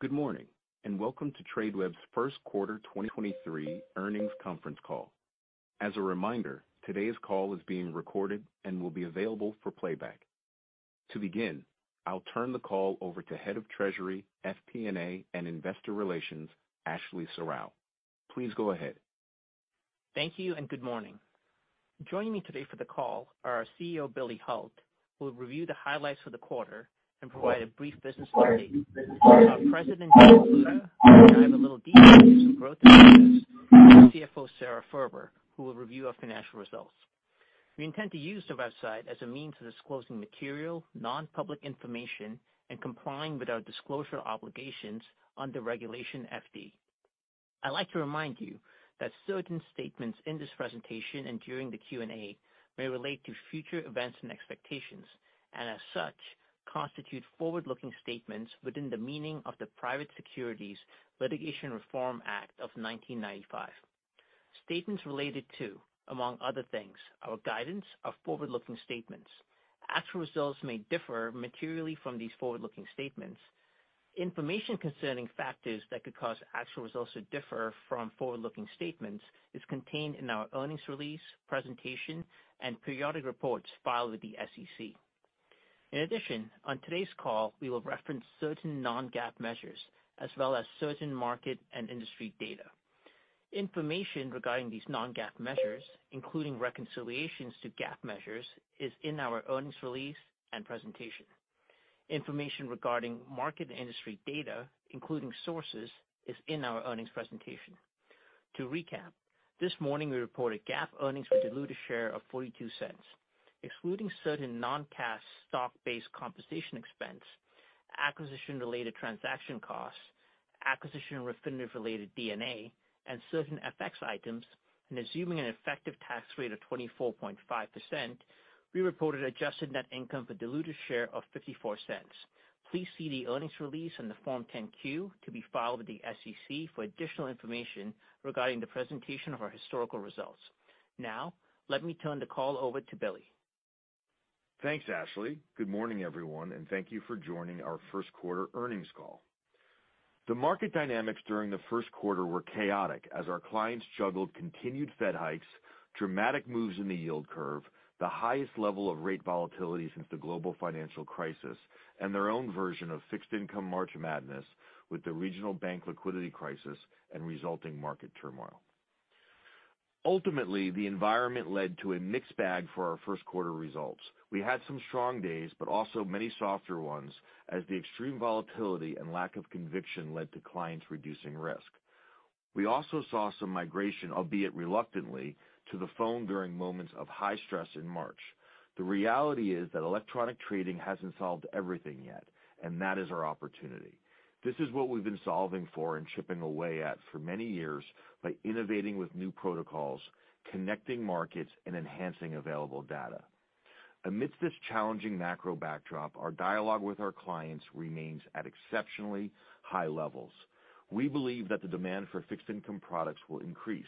Good morning, and welcome to Tradeweb's first quarter 2023 earnings conference call. As a reminder, today's call is being recorded and will be available for playback. To begin, I'll turn the call over to Head of Treasury, FP&A, and Investor Relations, Ashley Serrao. Please go ahead. Thank you. Good morning. Joining me today for the call are our CEO, Billy Hult, who will review the highlights for the quarter and provide a brief business update. Our President, Tom Pluta, will dive a little deeper into some growth initiatives, and CFO, Sara Furber, who will review our financial results. We intend to use the website as a means of disclosing material, non-public information and complying with our disclosure obligations under Regulation FD. I'd like to remind you that certain statements in this presentation and during the Q&A may relate to future events and expectations, and as such, constitute forward-looking statements within the meaning of the Private Securities Litigation Reform Act of 1995. Statements related to, among other things, our guidance are forward-looking statements. Actual results may differ materially from these forward-looking statements. Information concerning factors that could cause actual results to differ from forward-looking statements is contained in our earnings release, presentation, and periodic reports filed with the SEC. In addition, on today's call, we will reference certain non-GAAP measures as well as certain market and industry data. Information regarding these non-GAAP measures, including reconciliations to GAAP measures, is in our earnings release and presentation. Information regarding market industry data, including sources, is in our earnings presentation. To recap, this morning we reported GAAP earnings for diluted share of $0.42, excluding certain non-cash stock-based compensation expense, acquisition-related transaction costs, acquisition or refinance-related D&A, and certain FX items, and assuming an effective tax rate of 24.5%, we reported adjusted net income for diluted share of $0.54. Please see the earnings release and the Form 10-Q to be filed with the SEC for additional information regarding the presentation of our historical results. Now, let me turn the call over to Billy. Thanks, Ashley. Good morning, everyone. Thank you for joining our first quarter earnings call. The market dynamics during the first quarter were chaotic as our clients juggled continued Fed hikes, dramatic moves in the yield curve, the highest level of rate volatility since the global financial crisis, and their own version of fixed income March madness with the regional bank liquidity crisis and resulting market turmoil. Ultimately, the environment led to a mixed bag for our first quarter results. We had some strong days, but also many softer ones as the extreme volatility and lack of conviction led to clients reducing risk. We also saw some migration, albeit reluctantly, to the phone during moments of high stress in March. The reality is that electronic trading hasn't solved everything yet, and that is our opportunity. This is what we've been solving for and chipping away at for many years by innovating with new protocols, connecting markets, and enhancing available data. Amidst this challenging macro backdrop, our dialogue with our clients remains at exceptionally high levels. We believe that the demand for fixed income products will increase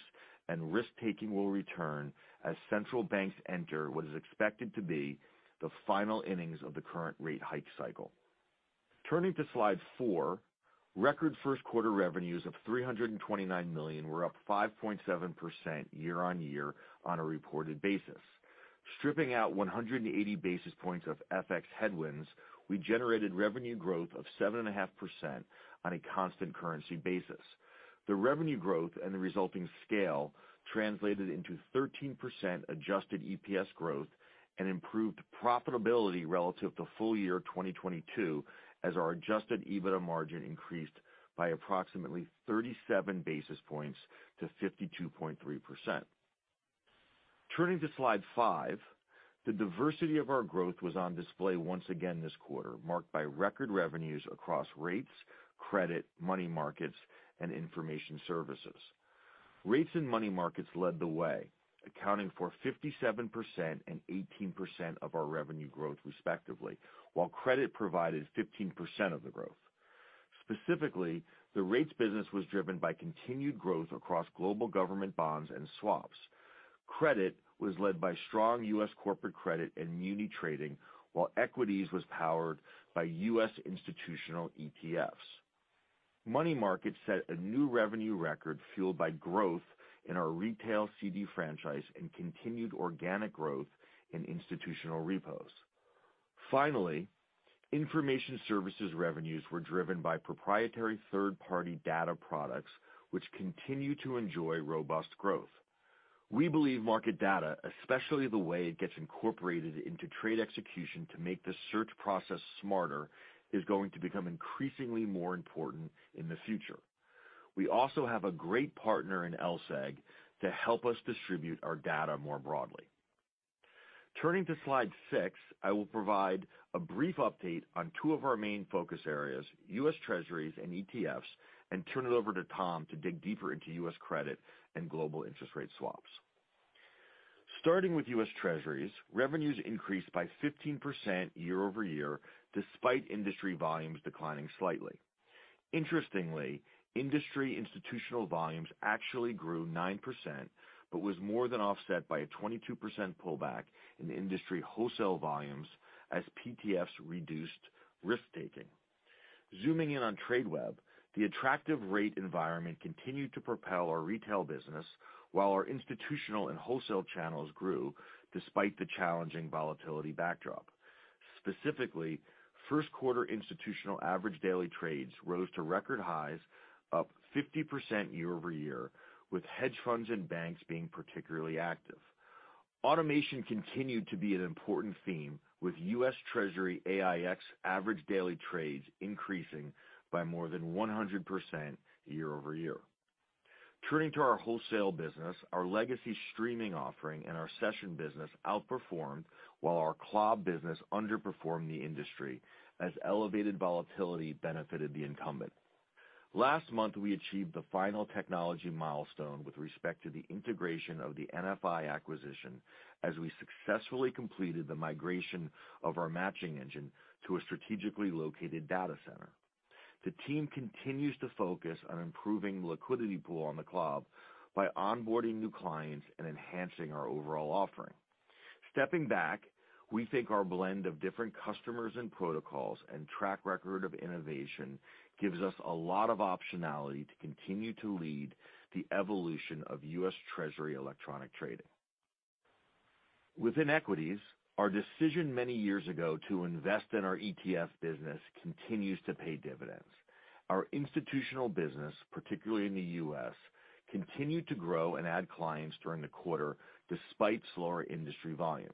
and risk-taking will return as central banks enter what is expected to be the final innings of the current rate hike cycle. Turning to slide four, record first quarter revenues of $329 million were up 5.7% year-on-year on a reported basis. Stripping out 180 basis points of FX headwinds, we generated revenue growth of 7.5% on a constant currency basis. The revenue growth and the resulting scale translated into 13% Adjusted EPS growth and improved profitability relative to full year 2022 as our Adjusted EBITDA margin increased by approximately 37 basis points to 52.3%. Turning to slide five, the diversity of our growth was on display once again this quarter, marked by record revenues across rates, credit, money markets, and information services. Rates and money markets led the way, accounting for 57% and 18% of our revenue growth respectively, while credit provided 15% of the growth. Specifically, the rates business was driven by continued growth across global government bonds and swaps. Credit was led by strong U.S. corporate credit and muni trading, while equities was powered by U.S. institutional ETFs. Money markets set a new revenue record fueled by growth in our retail CD franchise and continued organic growth in institutional repos. Finally, information services revenues were driven by proprietary third-party data products, which continue to enjoy robust growth. We believe market data, especially the way it gets incorporated into trade execution to make the search process smarter, is going to become increasingly more important in the future. We also have a great partner in LSEG to help us distribute our data more broadly. Turning to slide six, I will provide a brief update on two of our main focus areas, U.S. Treasuries and ETFs, and turn it over to Tom to dig deeper into U.S. credit and global interest rate swaps. Starting with U.S. Treasuries, revenues increased by 15% year-over-year despite industry volumes declining slightly. Interestingly, industry institutional volumes actually grew 9%, but was more than offset by a 22% pullback in industry wholesale volumes as PTFs reduced risk-taking. Zooming in on Tradeweb, the attractive rate environment continued to propel our retail business while our institutional and wholesale channels grew despite the challenging volatility backdrop. Specifically, first quarter institutional average daily trades rose to record highs up 50% year-over-year, with hedge funds and banks being particularly active. Automation continued to be an important theme, with U.S. Treasury AiEX average daily trades increasing by more than 100% year-over-year. Turning to our wholesale business, our legacy streaming offering and our session business outperformed, while our CLOB business underperformed the industry as elevated volatility benefited the incumbent. Last month, we achieved the final technology milestone with respect to the integration of the NFI acquisition as we successfully completed the migration of our matching engine to a strategically located data center. The team continues to focus on improving liquidity pool on the CLOB by onboarding new clients and enhancing our overall offering. Stepping back, we think our blend of different customers and protocols and track record of innovation gives us a lot of optionality to continue to lead the evolution of U.S. Treasury electronic trading. Within equities, our decision many years ago to invest in our ETF business continues to pay dividends. Our institutional business, particularly in the U.S., continued to grow and add clients during the quarter despite slower industry volumes.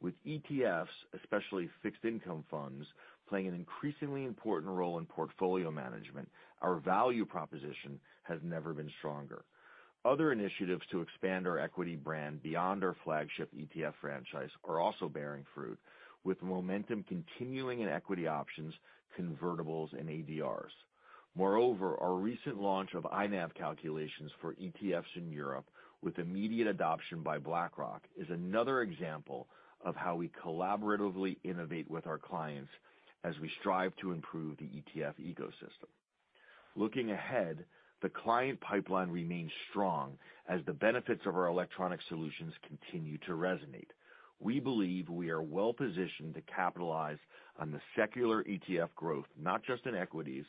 With ETFs, especially fixed income funds, playing an increasingly important role in portfolio management, our value proposition has never been stronger. Other initiatives to expand our equity brand beyond our flagship ETF franchise are also bearing fruit, with momentum continuing in equity options, convertibles, and ADRs. Our recent launch of INAV calculations for ETFs in Europe with immediate adoption by BlackRock is another example of how we collaboratively innovate with our clients as we strive to improve the ETF ecosystem. Looking ahead, the client pipeline remains strong as the benefits of our electronic solutions continue to resonate. We believe we are well-positioned to capitalize on the secular ETF growth, not just in equities,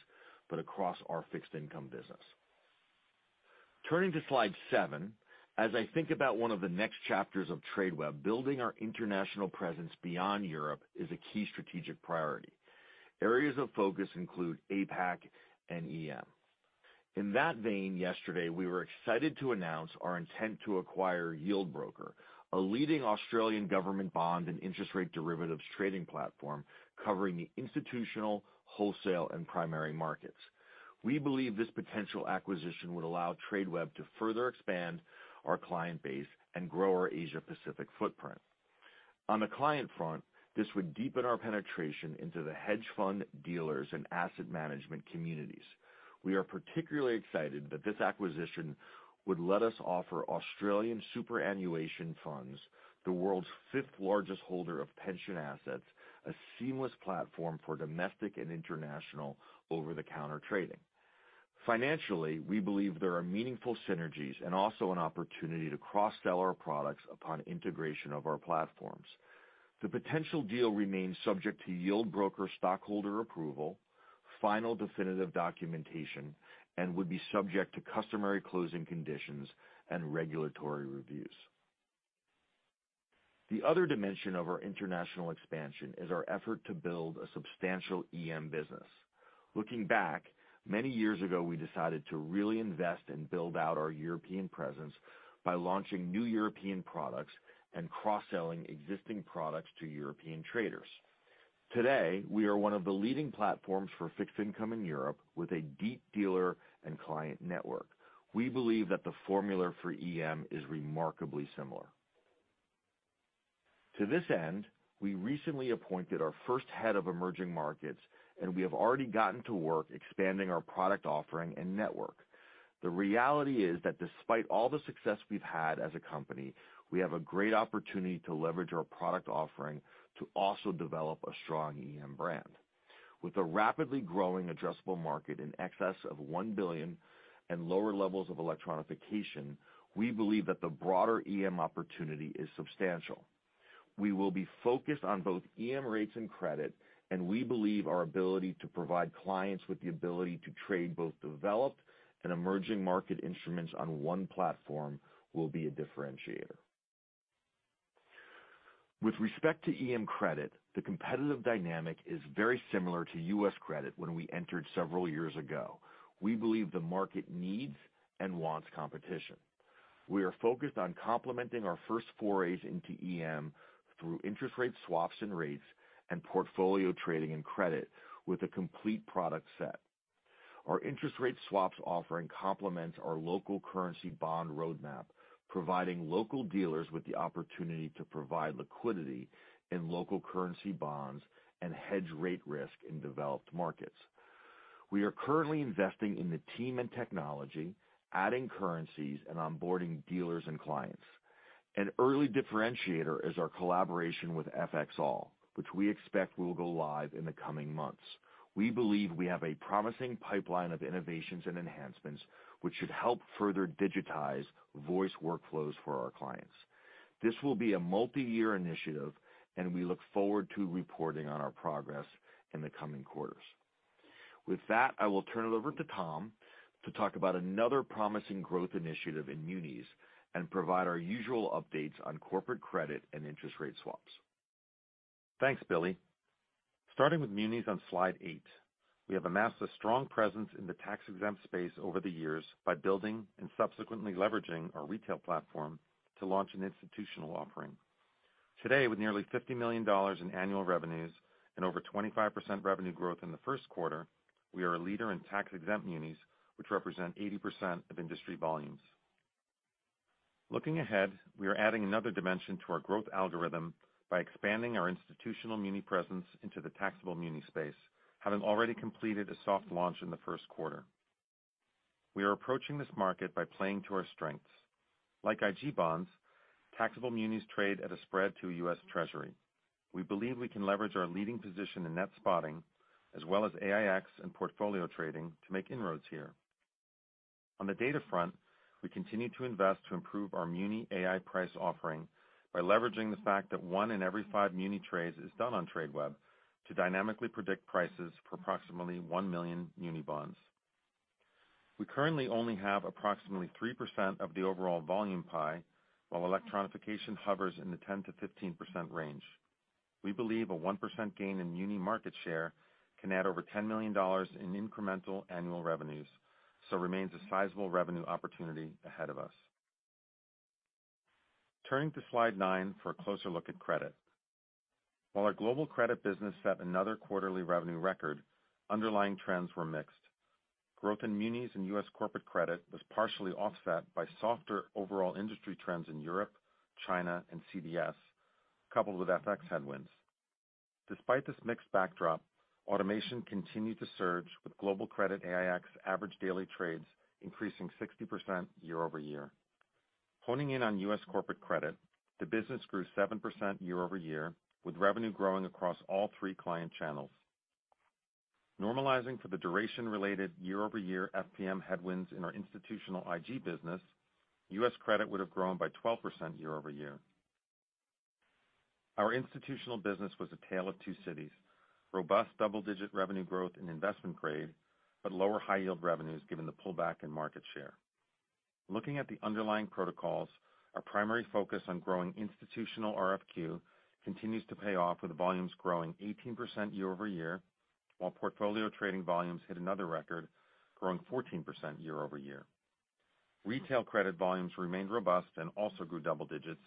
but across our fixed income business. Turning to slide seven, as I think about one of the next chapters of Tradeweb, building our international presence beyond Europe is a key strategic priority. Areas of focus include APAC and EM. In that vein, yesterday, we were excited to announce our intent to acquire Yieldbroker, a leading Australian government bond and interest rate derivatives trading platform covering the institutional, wholesale, and primary markets. We believe this potential acquisition would allow Tradeweb to further expand our client base and grow our Asia-Pacific footprint. On the client front, this would deepen our penetration into the hedge fund dealers and asset management communities. We are particularly excited that this acquisition would let us offer Australian superannuation funds, the world's fifth-largest holder of pension assets, a seamless platform for domestic and international over-the-counter trading. Financially, we believe there are meaningful synergies and also an opportunity to cross-sell our products upon integration of our platforms. The potential deal remains subject to Yieldbroker stockholder approval, final definitive documentation, and would be subject to customary closing conditions and regulatory reviews. The other dimension of our international expansion is our effort to build a substantial EM business. Looking back, many years ago, we decided to really invest and build out our European presence by launching new European products and cross-selling existing products to European traders. Today, we are one of the leading platforms for fixed income in Europe with a deep dealer and client network. We believe that the formula for EM is remarkably similar. To this end, we recently appointed our first head of emerging markets, and we have already gotten to work expanding our product offering and network. The reality is that despite all the success we've had as a company, we have a great opportunity to leverage our product offering to also develop a strong EM brand. With a rapidly growing addressable market in excess of $1 billion and lower levels of electronification, we believe that the broader EM opportunity is substantial. We will be focused on both EM rates and credit. We believe our ability to provide clients with the ability to trade both developed and emerging market instruments on one platform will be a differentiator. With respect to EM credit, the competitive dynamic is very similar to U.S. credit when we entered several years ago. We believe the market needs and wants competition. We are focused on complementing our first forays into EM through interest rate swaps and rates and portfolio trading and credit with a complete product set. Our interest rate swaps offering complements our local currency bond roadmap, providing local dealers with the opportunity to provide liquidity in local currency bonds and hedge rate risk in developed markets. We are currently investing in the team and technology, adding currencies and onboarding dealers and clients. An early differentiator is our collaboration with FXall, which we expect will go live in the coming months. We believe we have a promising pipeline of innovations and enhancements which should help further digitize voice workflows for our clients. This will be a multi-year initiative, and we look forward to reporting on our progress in the coming quarters. With that, I will turn it over to Tom to talk about another promising growth initiative in Munis and provide our usual updates on corporate credit and interest rate swaps. Thanks, Billy. Starting with Munis on slide eight, we have amassed a strong presence in the tax-exempt space over the years by building and subsequently leveraging our retail platform to launch an institutional offering. Today, with nearly $50 million in annual revenues and over 25% revenue growth in the first quarter, we are a leader in tax-exempt Munis, which represent 80% of industry volumes. Looking ahead, we are adding another dimension to our growth algorithm by expanding our institutional Muni presence into the taxable Muni space, having already completed a soft launch in the first quarter. We are approaching this market by playing to our strengths. Like IG bonds, taxable Munis trade at a spread to U.S. Treasury. We believe we can leverage our leading position in Net Spotting as well as AiEX and portfolio trading to make inroads here. On the data front, we continue to invest to improve our Muni Ai-Price offering by leveraging the fact that one in every five Muni trades is done on Tradeweb to dynamically predict prices for approximately 1 million Muni bonds. We currently only have approximately 3% of the overall volume pie, while electronification hovers in the 10%-15% range. We believe a 1% gain in Muni market share can add over $10 million in incremental annual revenues, so remains a sizable revenue opportunity ahead of us. Turning to slide nine for a closer look at credit. Our global credit business set another quarterly revenue record, underlying trends were mixed. Growth in Munis and U.S. corporate credit was partially offset by softer overall industry trends in Europe, China and CDS, coupled with FX headwinds. Despite this mixed backdrop, automation continued to surge with global credit AiEX average daily trades increasing 60% year-over-year. Honing in on U.S. corporate credit, the business grew 7% year-over-year, with revenue growing across all three client channels. Normalizing for the duration-related year-over-year FPM headwinds in our institutional IG business, U.S. credit would have grown by 12% year-over-year. Our institutional business was a tale of two cities. Robust double-digit revenue growth in investment grade, lower high yield revenues given the pullback in market share. Looking at the underlying protocols, our primary focus on growing institutional RFQ continues to pay off, with volumes growing 18% year-over-year, while portfolio trading volumes hit another record, growing 14% year-over-year. Retail credit volumes remained robust and also grew double digits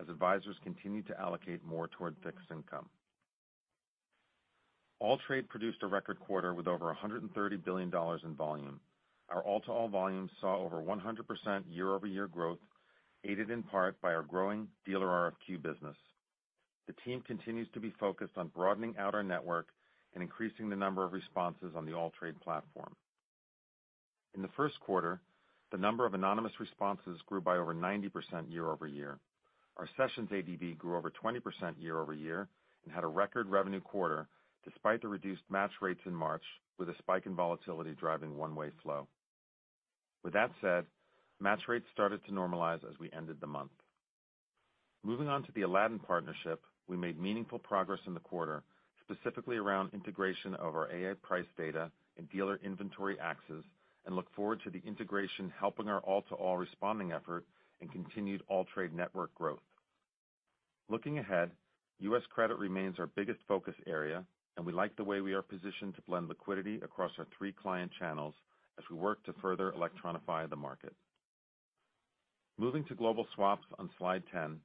as advisors continued to allocate more toward fixed income. AllTrade produced a record quarter with over $130 billion in volume. Our all-to-all volumes saw over 100% year-over-year growth, aided in part by our growing dealer RFQ business. The team continues to be focused on broadening out our network and increasing the number of responses on the AllTrade platform. In the first quarter, the number of anonymous responses grew by over 90% year-over-year. Our sessions ADT grew over 20% year-over-year and had a record revenue quarter despite the reduced match rates in March, with a spike in volatility driving one-way flow. With that said, match rates started to normalize as we ended the month. Moving on to the Aladdin partnership, we made meaningful progress in the quarter, specifically around integration of our Ai-Price data and dealer inventory axes. Look forward to the integration helping our all-to-all responding effort and continued AllTrade network growth. Looking ahead, U.S. credit remains our biggest focus area. We like the way we are positioned to blend liquidity across our three client channels as we work to further electronify the market. Moving to global swaps on slide 10,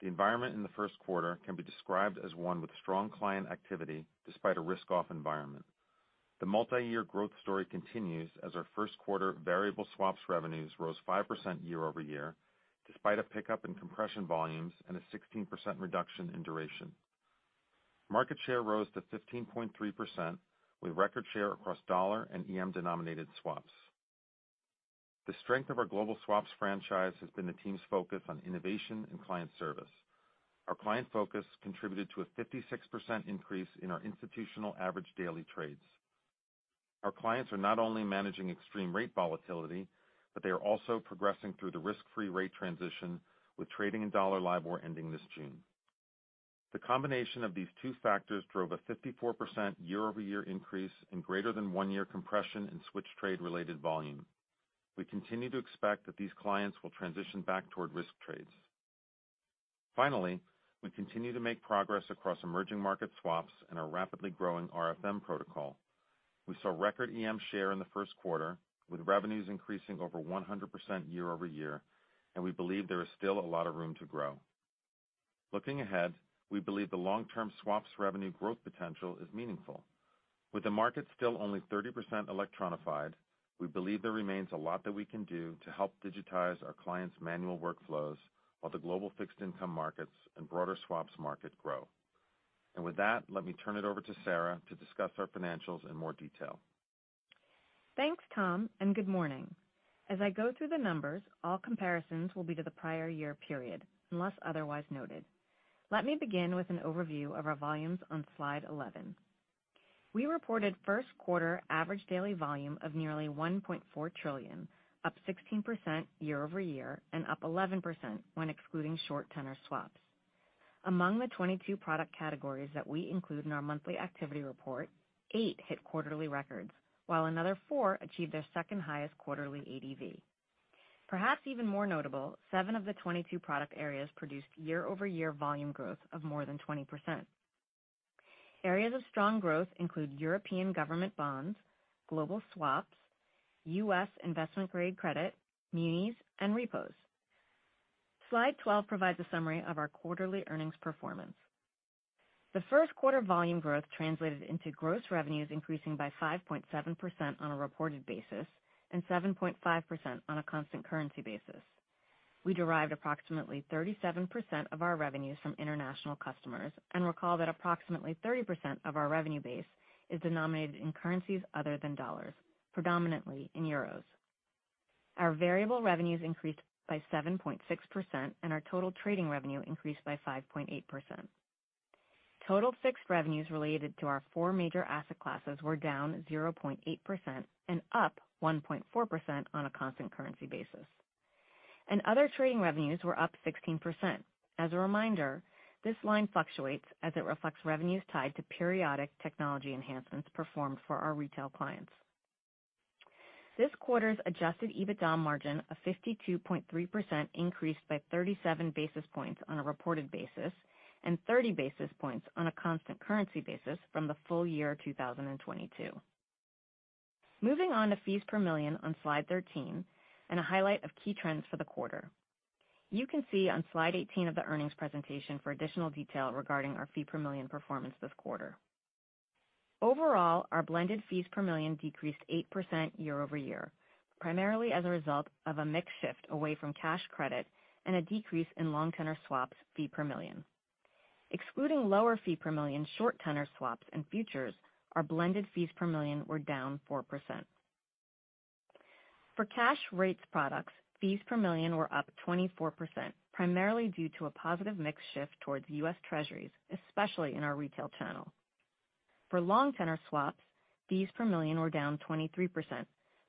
the environment in the first quarter can be described as one with strong client activity despite a risk-off environment. The multi-year growth story continues as our first quarter variable swaps revenues rose 5% year-over-year, despite a pickup in compression volumes and a 16% reduction in duration. Market share rose to 15.3%, with record share across dollar and EM-denominated swaps. The strength of our global swaps franchise has been the team's focus on innovation and client service. Our client focus contributed to a 56% increase in our institutional average daily trades. Our clients are not only managing extreme rate volatility, but they are also progressing through the risk-free rate transition with trading in dollar LIBOR ending this June. The combination of these two factors drove a 54% year-over-year increase in greater than one-year compression in switch trade-related volume. We continue to expect that these clients will transition back toward risk trades. We continue to make progress across emerging market swaps and our rapidly growing RFM protocol. We saw record EM share in the first quarter with revenues increasing over 100% year-over-year, and we believe there is still a lot of room to grow. Looking ahead, we believe the long-term swaps revenue growth potential is meaningful. With the market still only 30% electronified, we believe there remains a lot that we can do to help digitize our clients' manual workflows while the global fixed income markets and broader swaps market grow. With that, let me turn it over to Sara to discuss our financials in more detail. Thanks, Tom, and good morning. As I go through the numbers, all comparisons will be to the prior year period, unless otherwise noted. Let me begin with an overview of our volumes on slide 11. We reported first quarter average daily volume of nearly 1.4 trillion, up 16% year-over-year and up 11% when excluding short tenor swaps. Among the 22 product categories that we include in our monthly activity report, eight hit quarterly records, while another four achieved their second-highest quarterly ADV. Perhaps even more notable, seven of the 22 product areas produced year-over-year volume growth of more than 20%. Areas of strong growth include European government bonds, global swaps, U.S. investment-grade credit, munis, and repos. Slide 12 provides a summary of our quarterly earnings performance. The first quarter volume growth translated into gross revenues increasing by 5.7% on a reported basis and 7.5% on a constant currency basis. We derived approximately 37% of our revenues from international customers and recall that approximately 30% of our revenue base is denominated in currencies other than dollars, predominantly in euros. Our variable revenues increased by 7.6%. Our total trading revenue increased by 5.8%. Total fixed revenues related to our four major asset classes were down 0.8% and up 1.4% on a constant currency basis. Other trading revenues were up 16%. As a reminder, this line fluctuates as it reflects revenues tied to periodic technology enhancements performed for our retail clients. This quarter's Adjusted EBITDA margin of 52.3% increased by 37 basis points on a reported basis and 30 basis points on a constant currency basis from the full year 2022. Moving on to fees per million on slide 13, a highlight of key trends for the quarter. You can see on slide 18 of the earnings presentation for additional detail regarding our fee per million performance this quarter. Overall, our blended fees per million decreased 8% year-over-year, primarily as a result of a mix shift away from cash credit and a decrease in long tenor swaps fee per million. Excluding lower fee per million short tenor swaps and futures, our blended fees per million were down 4%. For cash rates products, fees per million were up 24%, primarily due to a positive mix shift towards U.S. Treasuries, especially in our retail channel. For long tenor swaps, fees per million were down 23%,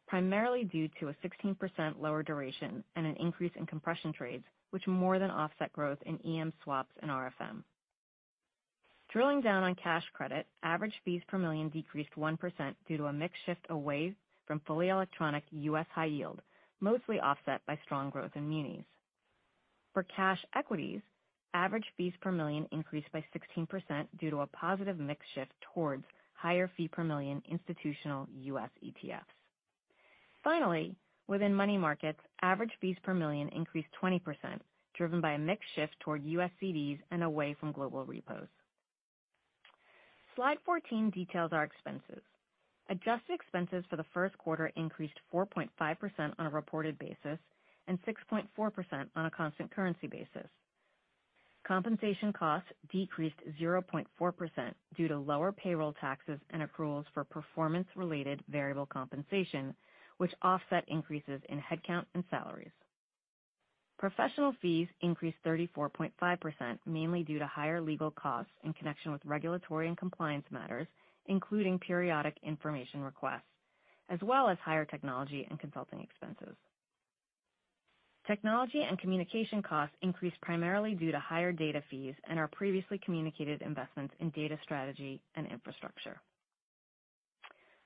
primarily due to a 16% lower duration and an increase in compression trades, which more than offset growth in EM swaps and RFM. Drilling down on cash credit, average fees per million decreased 1% due to a mix shift away from fully electronic U.S. high yield, mostly offset by strong growth in munis. For cash equities, average fees per million increased by 16% due to a positive mix shift towards higher fee per million institutional U.S. ETFs. Finally, within money markets, average fees per million increased 20%, driven by a mix shift toward U.S. CDs and away from global repos. Slide 14 details our expenses. Adjusted expenses for the first quarter increased 4.5% on a reported basis and 6.4% on a constant currency basis. Compensation costs decreased 0.4% due to lower payroll taxes and accruals for performance-related variable compensation, which offset increases in headcount and salaries. Professional fees increased 34.5%, mainly due to higher legal costs in connection with regulatory and compliance matters, including periodic information requests, as well as higher technology and consulting expenses. Technology and communication costs increased primarily due to higher data fees and our previously communicated investments in data strategy and infrastructure.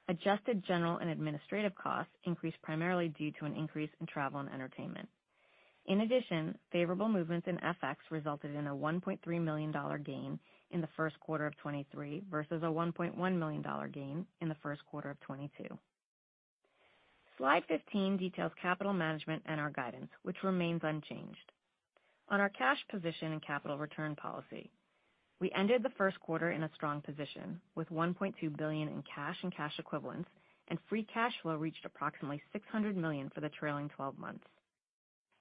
Adjusted general and administrative costs increased primarily due to an increase in travel and entertainment. Favorable movements in FX resulted in a $1.3 million gain in the first quarter of 2023 versus a $1.1 million gain in the first quarter of 2022. Slide 15 details capital management and our guidance, which remains unchanged. On our cash position and capital return policy, we ended the first quarter in a strong position with $1.2 billion in cash and cash equivalents, and free cash flow reached approximately $600 million for the trailing 12 months.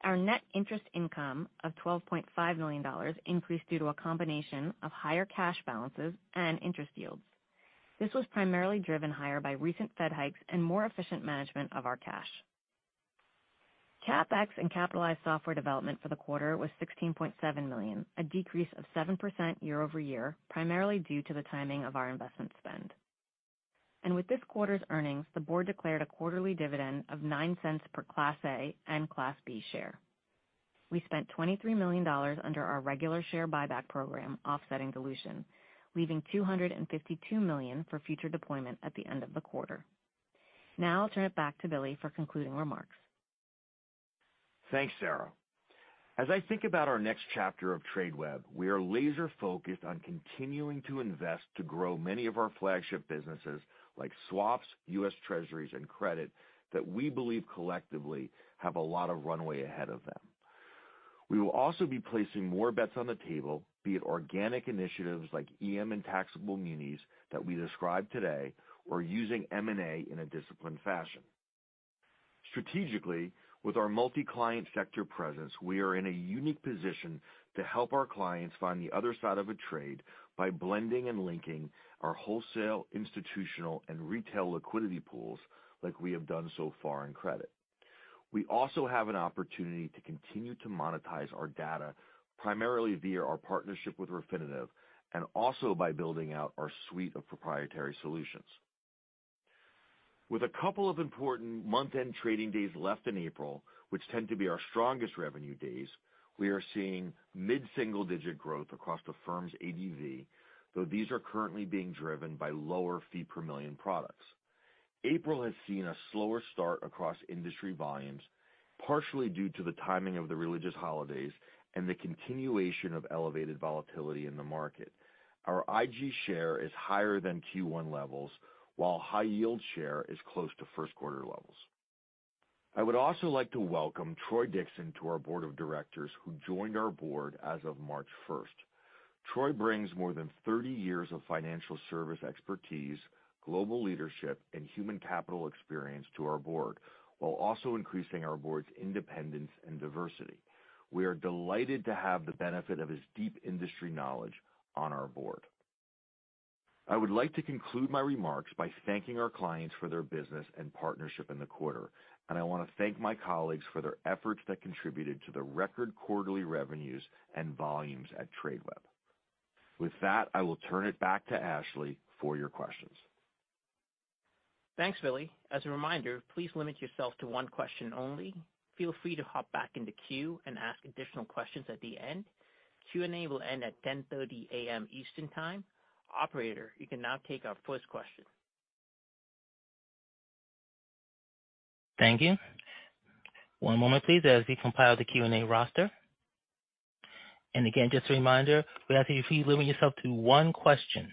Our net interest income of $12.5 million increased due to a combination of higher cash balances and interest yields. This was primarily driven higher by recent Fed hikes and more efficient management of our cash. CapEx and capitalized software development for the quarter was $16.7 million, a decrease of 7% year-over-year, primarily due to the timing of our investment spend. With this quarter's earnings, the board declared a quarterly dividend of $0.09 per Class A and Class B share. We spent $23 million under our regular share buyback program offsetting dilution, leaving $252 million for future deployment at the end of the quarter. Now I'll turn it back to Billy for concluding remarks. Thanks, Sara. As I think about our next chapter of Tradeweb, we are laser-focused on continuing to invest to grow many of our flagship businesses like swaps, U.S. Treasuries, and credit that we believe collectively have a lot of runway ahead of them. We will also be placing more bets on the table, be it organic initiatives like EM and taxable Munis that we described today, or using M&A in a disciplined fashion. Strategically, with our multi-client sector presence, we are in a unique position to help our clients find the other side of a trade by blending and linking our wholesale, institutional, and retail liquidity pools like we have done so far in credit. We also have an opportunity to continue to monetize our data, primarily via our partnership with Refinitiv and also by building out our suite of proprietary solutions. With a couple of important month-end trading days left in April, which tend to be our strongest revenue days, we are seeing mid-single-digit growth across the firm's ADV, though these are currently being driven by lower fee per million products. April has seen a slower start across industry volumes, partially due to the timing of the religious holidays and the continuation of elevated volatility in the market. Our IG share is higher than Q1 levels, while high yield share is close to first quarter levels. I would also like to welcome Troy Dixon to our board of directors who joined our board as of March first. Troy brings more than 30 years of financial service expertise, global leadership, and human capital experience to our board, while also increasing our board's independence and diversity. We are delighted to have the benefit of his deep industry knowledge on our board. I would like to conclude my remarks by thanking our clients for their business and partnership in the quarter. I wanna thank my colleagues for their efforts that contributed to the record quarterly revenues and volumes at Tradeweb. With that, I will turn it back to Ashley for your questions. Thanks, Billy. As a reminder, please limit yourself to one question only. Feel free to hop back in the queue and ask additional questions at the end. Q&A will end at 10:30 A.M. Eastern Time. Operator, you can now take our first question. Thank you. One moment, please, as we compile the Q&A roster. Again, just a reminder, we ask that you please limit yourself to one question.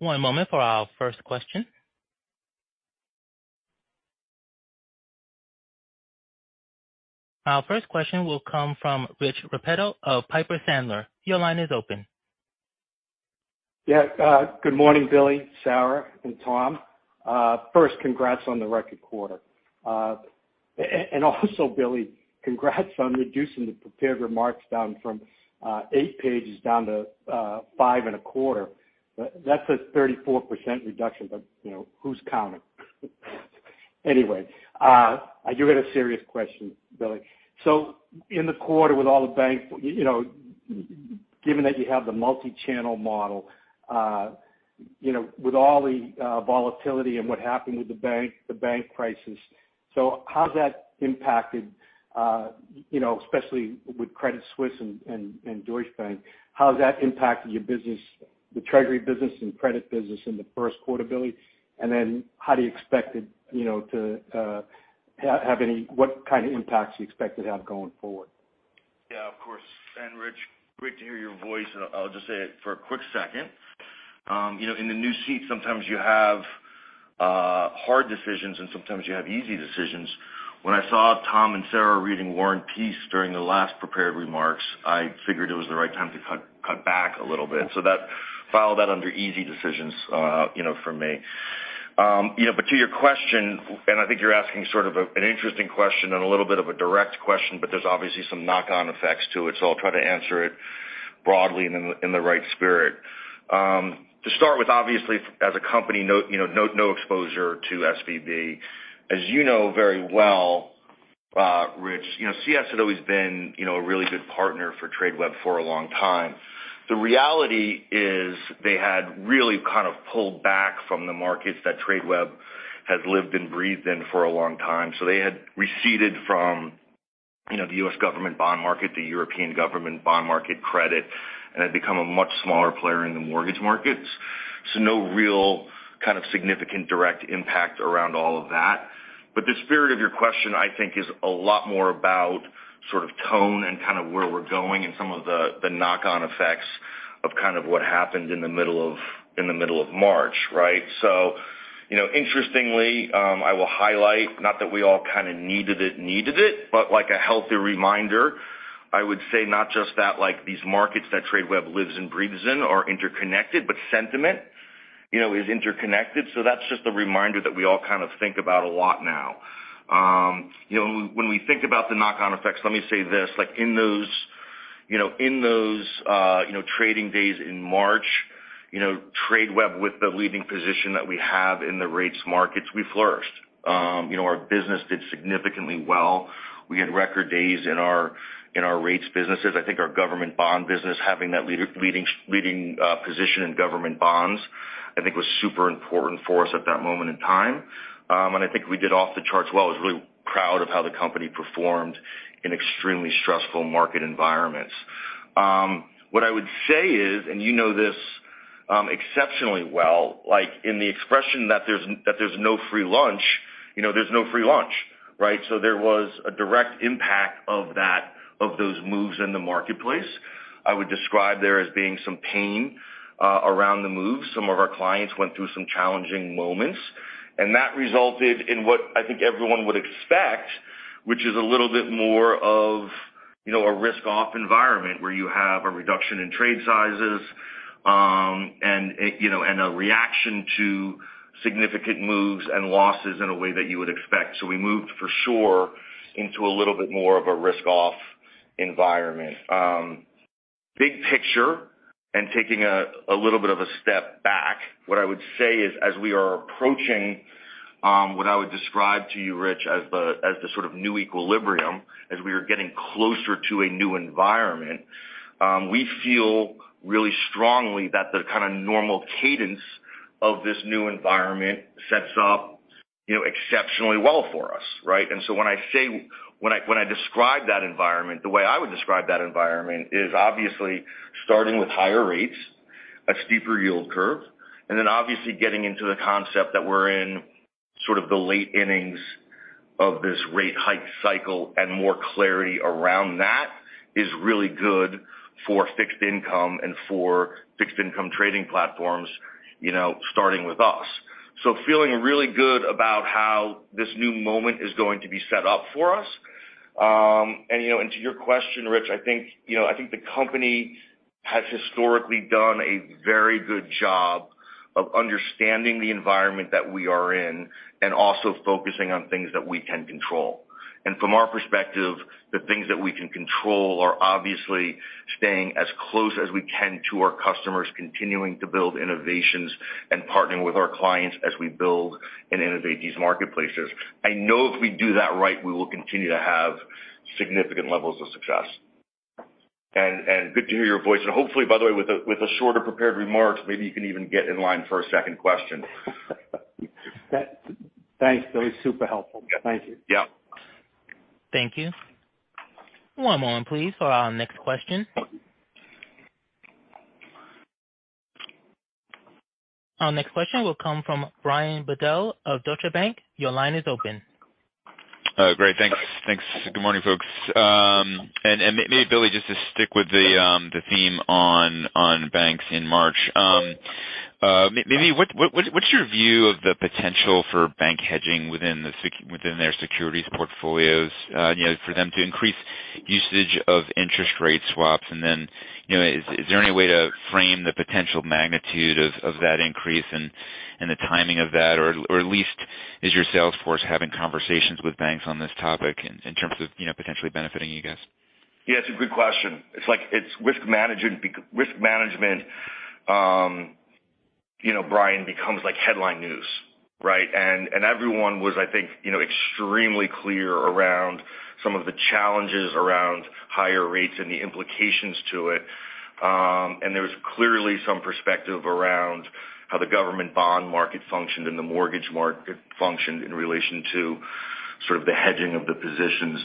One moment for our first question. Our first question will come from Rich Repetto of Piper Sandler. Your line is open. Good morning, Billy, Sara, and Tom. First, congrats on the record quarter. And also, Billy, congrats on reducing the prepared remarks down from eight pages down to 5.25. That's a 34% reduction, but, you know, who's counting? Anyway, I do have a serious question, Billy. In the quarter, with all the bank, you know, given that you have the multi-channel model, you know, with all the volatility and what happened with the bank crisis. How's that impacted, you know, especially with Credit Suisse and Deutsche Bank, how has that impacted your business, the treasury business and credit business in the first quarter, Billy? How do you expect it, you know, to what kind of impacts do you expect it have going forward? Yeah, of course. Rich, great to hear your voice. I'll just say it for a quick second. You know, in the new seat, sometimes you have hard decisions and sometimes you have easy decisions. When I saw Tom and Sara reading War and Peace during the last prepared remarks, I figured it was the right time to cut back a little bit. That file that under easy decisions, you know, for me. You know, to your question, I think you're asking sort of an interesting question and a little bit of a direct question, but there's obviously some knock-on effects to it, so I'll try to answer it broadly and in the right spirit. To start with, obviously as a company, no, you know, no exposure to SVB. As you know very well, Rich, you know, CS had always been, you know, a really good partner for Tradeweb for a long time. The reality is they had really kind of pulled back from the markets that Tradeweb has lived and breathed in for a long time. They had receded from, you know, the U.S. government bond market, the European government bond market, credit, and had become a much smaller player in the mortgage markets. No real kind of significant direct impact around all of that. The spirit of your question, I think, is a lot more about sort of tone and kind of where we're going and some of the knock-on effects of kind of what happened in the middle of, in the middle of March, right? You know, interestingly, I will highlight, not that we all kind of needed it, but like a healthy reminder, I would say not just that, like, these markets that Tradeweb lives and breathes in are interconnected, but sentiment, you know, is interconnected. That's just a reminder that we all kind of think about a lot now. You know, when we think about the knock-on effects, let me say this, like in those, you know, in those, you know, trading days in March, you know, Tradeweb with the leading position that we have in the rates markets, we flourished. You know, our business did significantly well. We had record days in our rates businesses. I think our government bond business, having that leading position in government bonds, I think was super important for us at that moment in time. I think we did off the charts well. I was really proud of how the company performed in extremely stressful market environments. What I would say is, you know this, exceptionally well, like in the expression that there's no free lunch, you know there's no free lunch, right? There was a direct impact of that, of those moves in the marketplace. I would describe there as being some pain around the moves. Some of our clients went through some challenging moments, that resulted in what I think everyone would expect, which is a little bit more of, you know, a risk-off environment where you have a reduction in trade sizes. You know, and a reaction to significant moves and losses in a way that you would expect. We moved for sure into a little bit more of a risk-off environment. Big picture and taking a little bit of a step back, what I would say is as we are approaching what I would describe to you, Rich, as the, as the sort of new equilibrium, as we are getting closer to a new environment, we feel really strongly that the kind of normal cadence of this new environment sets up, you know, exceptionally well for us, right? When I describe that environment, the way I would describe that environment is obviously starting with higher rates, a steeper yield curve, and then obviously getting into the concept that we're in sort of the late innings of this rate hike cycle and more clarity around that is really good for fixed income and for fixed income trading platforms, you know, starting with us. Feeling really good about how this new moment is going to be set up for us. You know, and to your question, Rich, I think, you know, I think the company has historically done a very good job of understanding the environment that we are in and also focusing on things that we can control. From our perspective, the things that we can control are obviously staying as close as we can to our customers, continuing to build innovations and partnering with our clients as we build and innovate these marketplaces. I know if we do that right, we will continue to have significant levels of success. Good to hear your voice. Hopefully, by the way, with a shorter prepared remarks, maybe you can even get in line for a second question. Thanks, Billy. Super helpful. Thank you. Yeah. Thank you. One moment please for our next question. Our next question will come from Brian Bedell of Deutsche Bank. Your line is open. Great. Thanks. Thanks. Good morning, folks. And maybe, Billy, just to stick with the theme on banks in March. Maybe what's your view of the potential for bank hedging within their securities portfolios, you know, for them to increase usage of interest rate swaps? Then, you know, is there any way to frame the potential magnitude of that increase and the timing of that? Or at least is your sales force having conversations with banks on this topic in terms of, you know, potentially benefiting you guys? It's a good question. It's like it's risk management, you know, Brian, becomes like headline news, right? Everyone was, I think, you know, extremely clear around some of the challenges around higher rates and the implications to it. There's clearly some perspective around how the government bond market functioned and the mortgage market functioned in relation to sort of the hedging of the positions.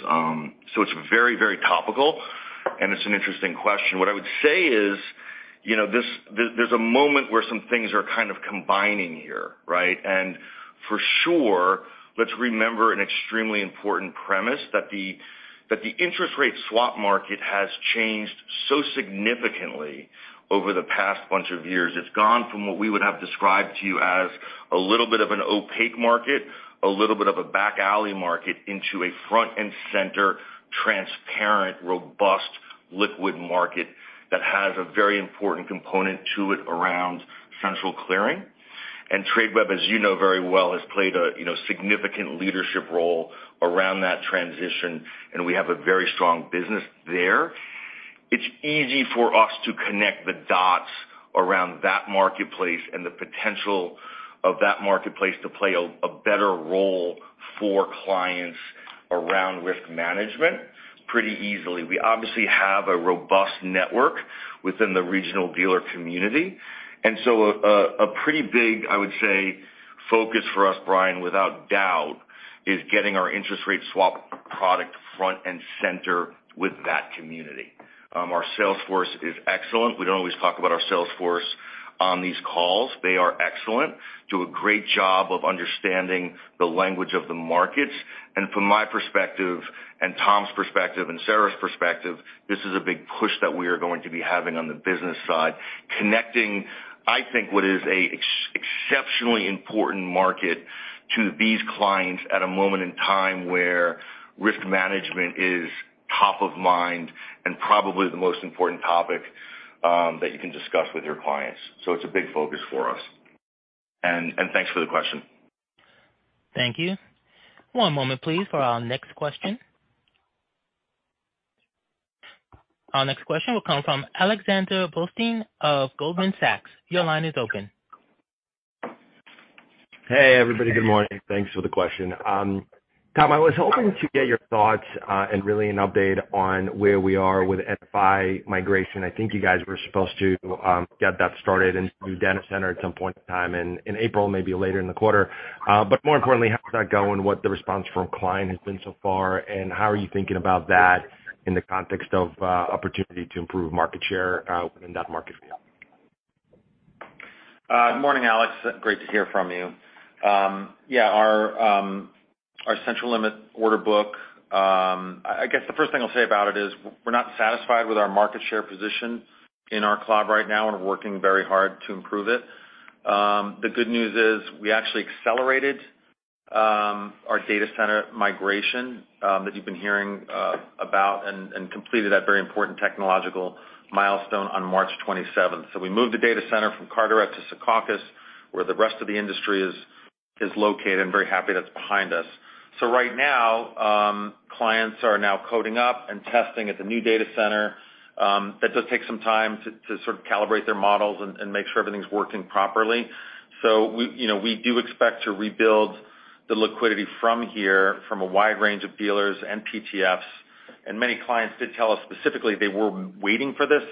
It's very, very topical, and it's an interesting question. What I would say is, you know, there's a moment where some things are kind of combining here, right? For sure, let's remember an extremely important premise that the interest rate swap market has changed so significantly over the past bunch of years. It's gone from what we would have described to you as a little bit of an opaque market, a little bit of a back alley market, into a front-and-center, transparent, robust liquid market that has a very important component to it around central clearing. Tradeweb, as you know very well, has played a, you know, significant leadership role around that transition, and we have a very strong business there. It's easy for us to connect the dots around that marketplace and the potential of that marketplace to play a better role for clients around risk management pretty easily. We obviously have a robust network within the regional dealer community. A pretty big, I would say, focus for us, Brian, without doubt, is getting our interest rate swap product front and center with that community. Our sales force is excellent. We don't always talk about our sales force on these calls. They are excellent, do a great job of understanding the language of the markets. From my perspective and Tom's perspective and Sara's perspective, this is a big push that we are going to be having on the business side, connecting, I think what is a exceptionally important market to these clients at a moment in time where risk management is top of mind and probably the most important topic that you can discuss with your clients. It's a big focus for us. Thanks for the question. Thank you. One moment please for our next question. Our next question will come from Alexander Blostein of Goldman Sachs. Your line is open. Hey, everybody. Good morning. Thanks for the question. Tom, I was hoping to get your thoughts and really an update on where we are with NFI migration. I think you guys were supposed to get that started in new data center at some point in time in April, maybe later in the quarter. More importantly, how is that going? What the response from client has been so far, and how are you thinking about that in the context of opportunity to improve market share within that market field? Good morning, Alex. Great to hear from you. Our central limit order book, I guess the first thing I'll say about it is we're not satisfied with our market share position in our CLOB right now, and we're working very hard to improve it. The good news is we actually accelerated Our data center migration that you've been hearing about and completed that very important technological milestone on March 27th. We moved the data center from Carteret to Secaucus, where the rest of the industry is located, and very happy that's behind us. Right now, clients are now coding up and testing at the new data center. That does take some time to sort of calibrate their models and make sure everything's working properly. We, you know, we do expect to rebuild the liquidity from here from a wide range of dealers and PTFs. Many clients did tell us specifically they were waiting for this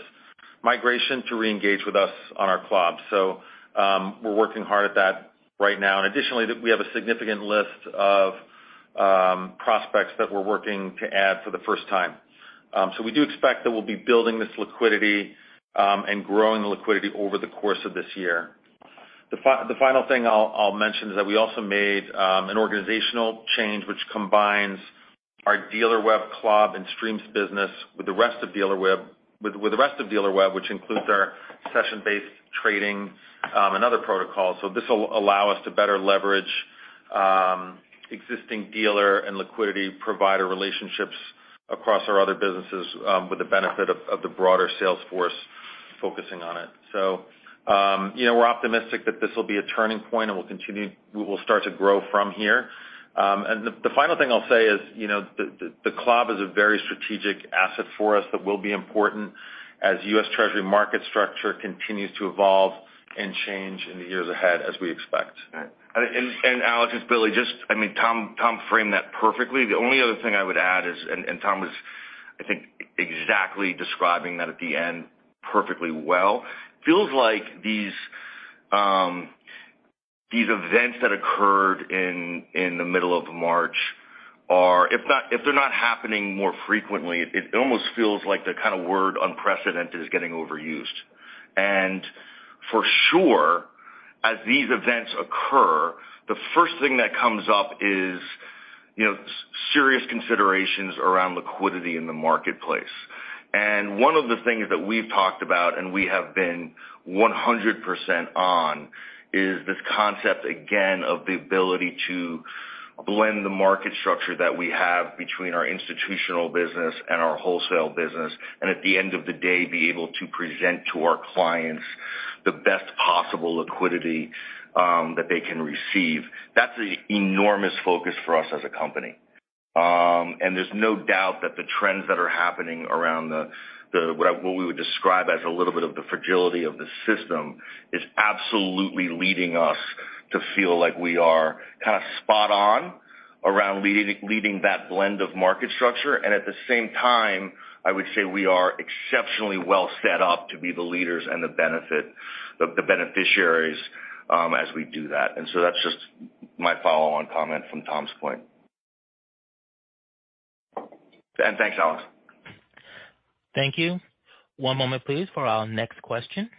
migration to reengage with us on our CLOB. We're working hard at that right now. Additionally, we have a significant list of prospects that we're working to add for the first time. We do expect that we'll be building this liquidity and growing the liquidity over the course of this year. The final thing I'll mention is that we also made an organizational change which combines our Dealerweb CLOB and streams business with the rest of Dealerweb, which includes our session-based trading and other protocols. This will allow us to better leverage existing dealer and liquidity provider relationships across our other businesses, with the benefit of the broader sales force focusing on it. You know, we're optimistic that this will be a turning point, and we will start to grow from here. The final thing I'll say is, you know, the CLOB is a very strategic asset for us that will be important as U.S. Treasury market structure continues to evolve and change in the years ahead as we expect. And Alex, it's Billy. I mean, Tom framed that perfectly. The only other thing I would add is, and Tom was, I think, exactly describing that at the end perfectly well. Feels like these events that occurred in the middle of March are, if they're not happening more frequently, it almost feels like the kind of word unprecedented is getting overused. For sure, as these events occur, the first thing that comes up is, you know, serious considerations around liquidity in the marketplace. One of the things that we've talked about, and we have been 100% on, is this concept again of the ability to blend the market structure that we have between our institutional business and our wholesale business, and at the end of the day, be able to present to our clients the best possible liquidity that they can receive. That's an enormous focus for us as a company. There's no doubt that the trends that are happening around what we would describe as a little bit of the fragility of the system, is absolutely leading us to feel like we are kind of spot on around leading that blend of market structure. At the same time, I would say we are exceptionally well set up to be the leaders and the beneficiaries as we do that. That's just my follow-on comment from Tom's point. Thanks, Alex. Thank you. One moment please for our next question.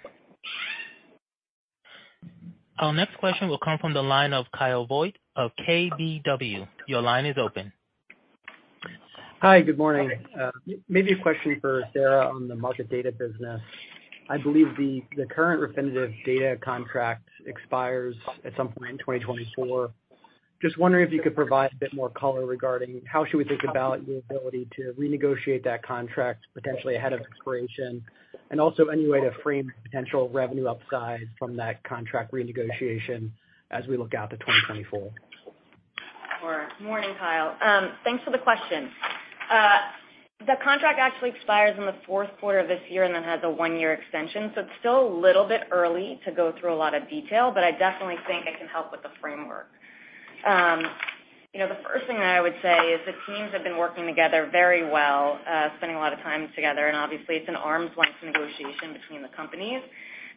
Our next question will come from the line of Kyle Voigt of KBW. Your line is open. Hi. Good morning. Maybe a question for Sara on the market data business. I believe the current Refinitiv data contract expires at some point in 2024. Just wondering if you could provide a bit more color regarding how should we think about your ability to renegotiate that contract potentially ahead of expiration, and also any way to frame the potential revenue upside from that contract renegotiation as we look out to 2024? Sure. Morning, Kyle. Thanks for the question. The contract actually expires in the fourth quarter of this year and then has a one-year extension, so it's still a little bit early to go through a lot of detail, but I definitely think I can help with the framework. You know, the first thing that I would say is the teams have been working together very well, spending a lot of time together, and obviously it's an arm's length negotiation between the companies,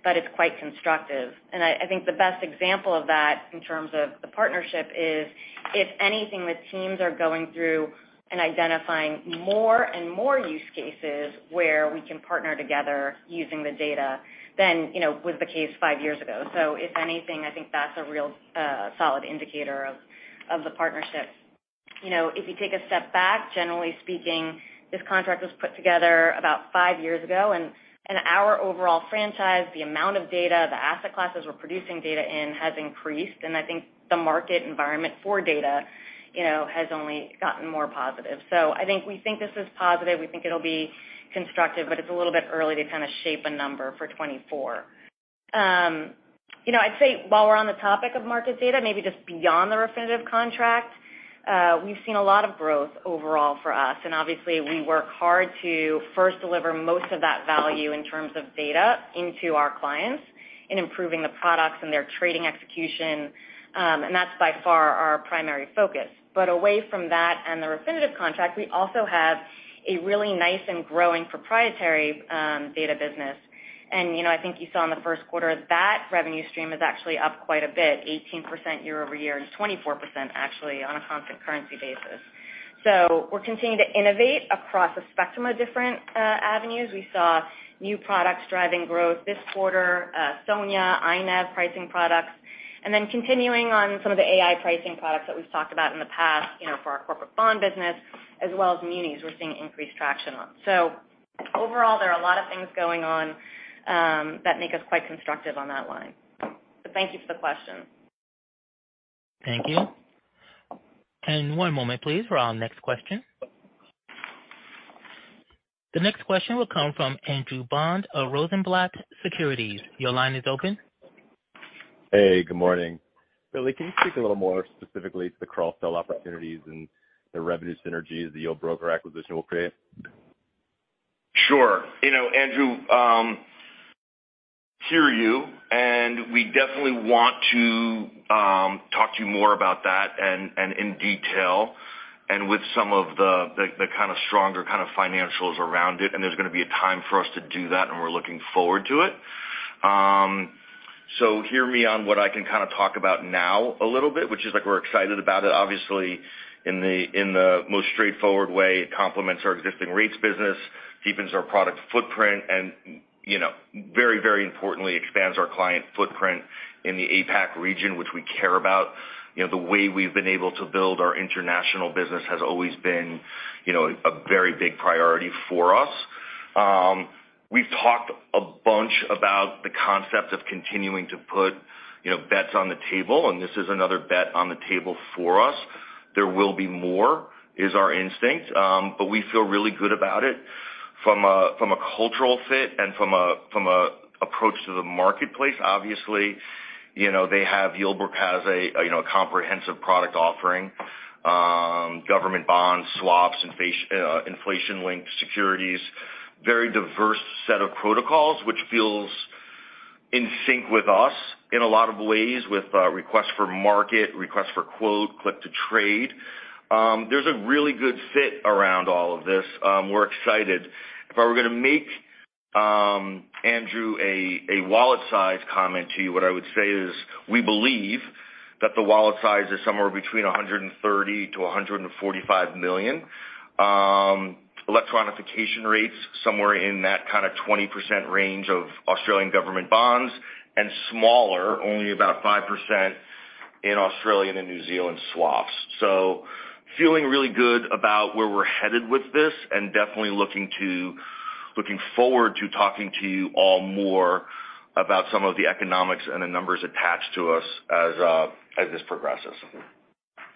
but it's quite constructive. I think the best example of that in terms of the partnership is if anything, the teams are going through and identifying more and more use cases where we can partner together using the data than, you know, was the case five years ago. If anything, I think that's a real solid indicator of the partnership. You know, if you take a step back, generally speaking, this contract was put together about five years ago, and our overall franchise, the amount of data, the asset classes we're producing data in has increased, and I think the market environment for data, you know, has only gotten more positive. I think we think this is positive. We think it'll be constructive, but it's a little bit early to kind of shape a number for 2024. You know, I'd say while we're on the topic of market data, maybe just beyond the Refinitiv contract, we've seen a lot of growth overall for us, and obviously we work hard to first deliver most of that value in terms of data into our clients in improving the products and their trading execution. That's by far our primary focus. Away from that and the Refinitiv contract, we also have a really nice and growing proprietary data business. You know, I think you saw in the first quarter that revenue stream is actually up quite a bit, 18% year-over-year, and 24% actually on a constant currency basis. We're continuing to innovate across a spectrum of different avenues. We saw new products driving growth this quarter, SONIA, INAV pricing products. Continuing on some of the AI pricing products that we've talked about in the past, you know, for our corporate bond business, as well as Munis, we're seeing increased traction on. Overall, there are a lot of things going on that make us quite constructive on that line. Thank you for the question. Thank you. And one moment please for our next question. The next question will come from Andrew Bond of Rosenblatt Securities. Your line is open. Good morning. Billy, can you speak a little more specifically to the cross-sell opportunities and the revenue synergies the Yieldbroker acquisition will create? Sure. You know, Andrew, hear you, and we definitely want to talk to you more about that and in detail and with some of the kind of stronger kind of financials around it. There's gonna be a time for us to do that. We're looking forward to it. Hear me on what I can kind of talk about now a little bit, which is like we're excited about it. Obviously, in the, in the most straightforward way, it complements our existing rates business, deepens our product footprint, and, you know, very importantly expands our client footprint in the APAC region, which we care about. You know, the way we've been able to build our international business has always been, you know, a very big priority for us. We've talked a bunch about the concept of continuing to put, you know, bets on the table, and this is another bet on the table for us. There will be more, is our instinct, but we feel really good about it from a, from a cultural fit and from a, from a approach to the marketplace. Obviously, Yieldbroker has a comprehensive product offering, government bonds, swaps, inflation-linked securities, very diverse set of protocols, which feels in sync with us in a lot of ways with, requests for market, requests for quote, click to trade. There's a really good fit around all of this. We're excited. If I were gonna make, Andrew, a wallet size comment to you, what I would say is, we believe that the wallet size is somewhere between $130 million-$145 million. Electronification rates somewhere in that kind of 20% range of Australian government bonds and smaller, only about 5% in Australian and New Zealand swaps. Feeling really good about where we're headed with this and definitely looking forward to talking to you all more about some of the economics and the numbers attached to us as this progresses.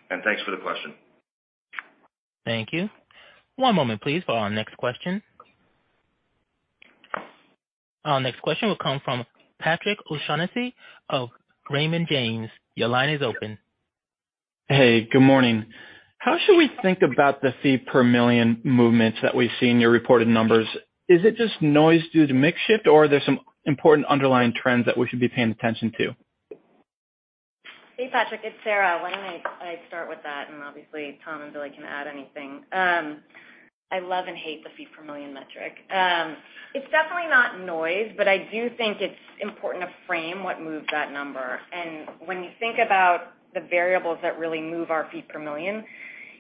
Thanks for the question. Thank you. One moment please for our next question. Our next question will come from Patrick O'Shaughnessy of Raymond James. Your line is open. Hey, good morning. How should we think about the fee per million movements that we see in your reported numbers? Is it just noise due to mix shift or are there some important underlying trends that we should be paying attention to? Hey, Patrick, it's Sara. Why don't I start with that, and obviously, Tom and Billy can add anything. I love and hate the fee per million metric. It's definitely not noise, but I do think it's important to frame what moved that number. When you think about the variables that really move our fee per million,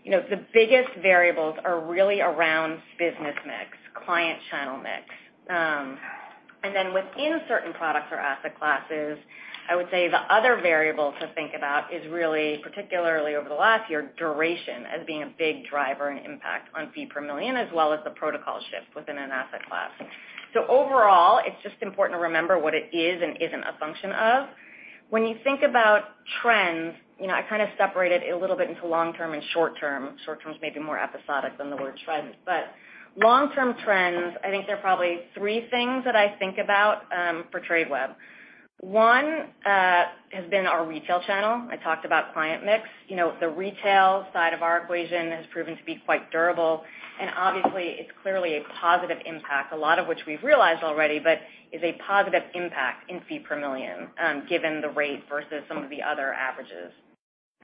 you know, the biggest variables are really around business mix, client channel mix. Then within certain products or asset classes, I would say the other variable to think about is really, particularly over the last year, duration as being a big driver and impact on fee per million, as well as the protocol shift within an asset class. Overall, it's just important to remember what it is and isn't a function of. When you think about trends, you know, I kind of separate it a little bit into long term and short term. Short term is maybe more episodic than the word trends. Long-term trends, I think there are probably three things that I think about for Tradeweb. One has been our retail channel. I talked about client mix. You know, the retail side of our equation has proven to be quite durable, and obviously it's clearly a positive impact, a lot of which we've realized already, but is a positive impact in fee per million given the rate versus some of the other averages.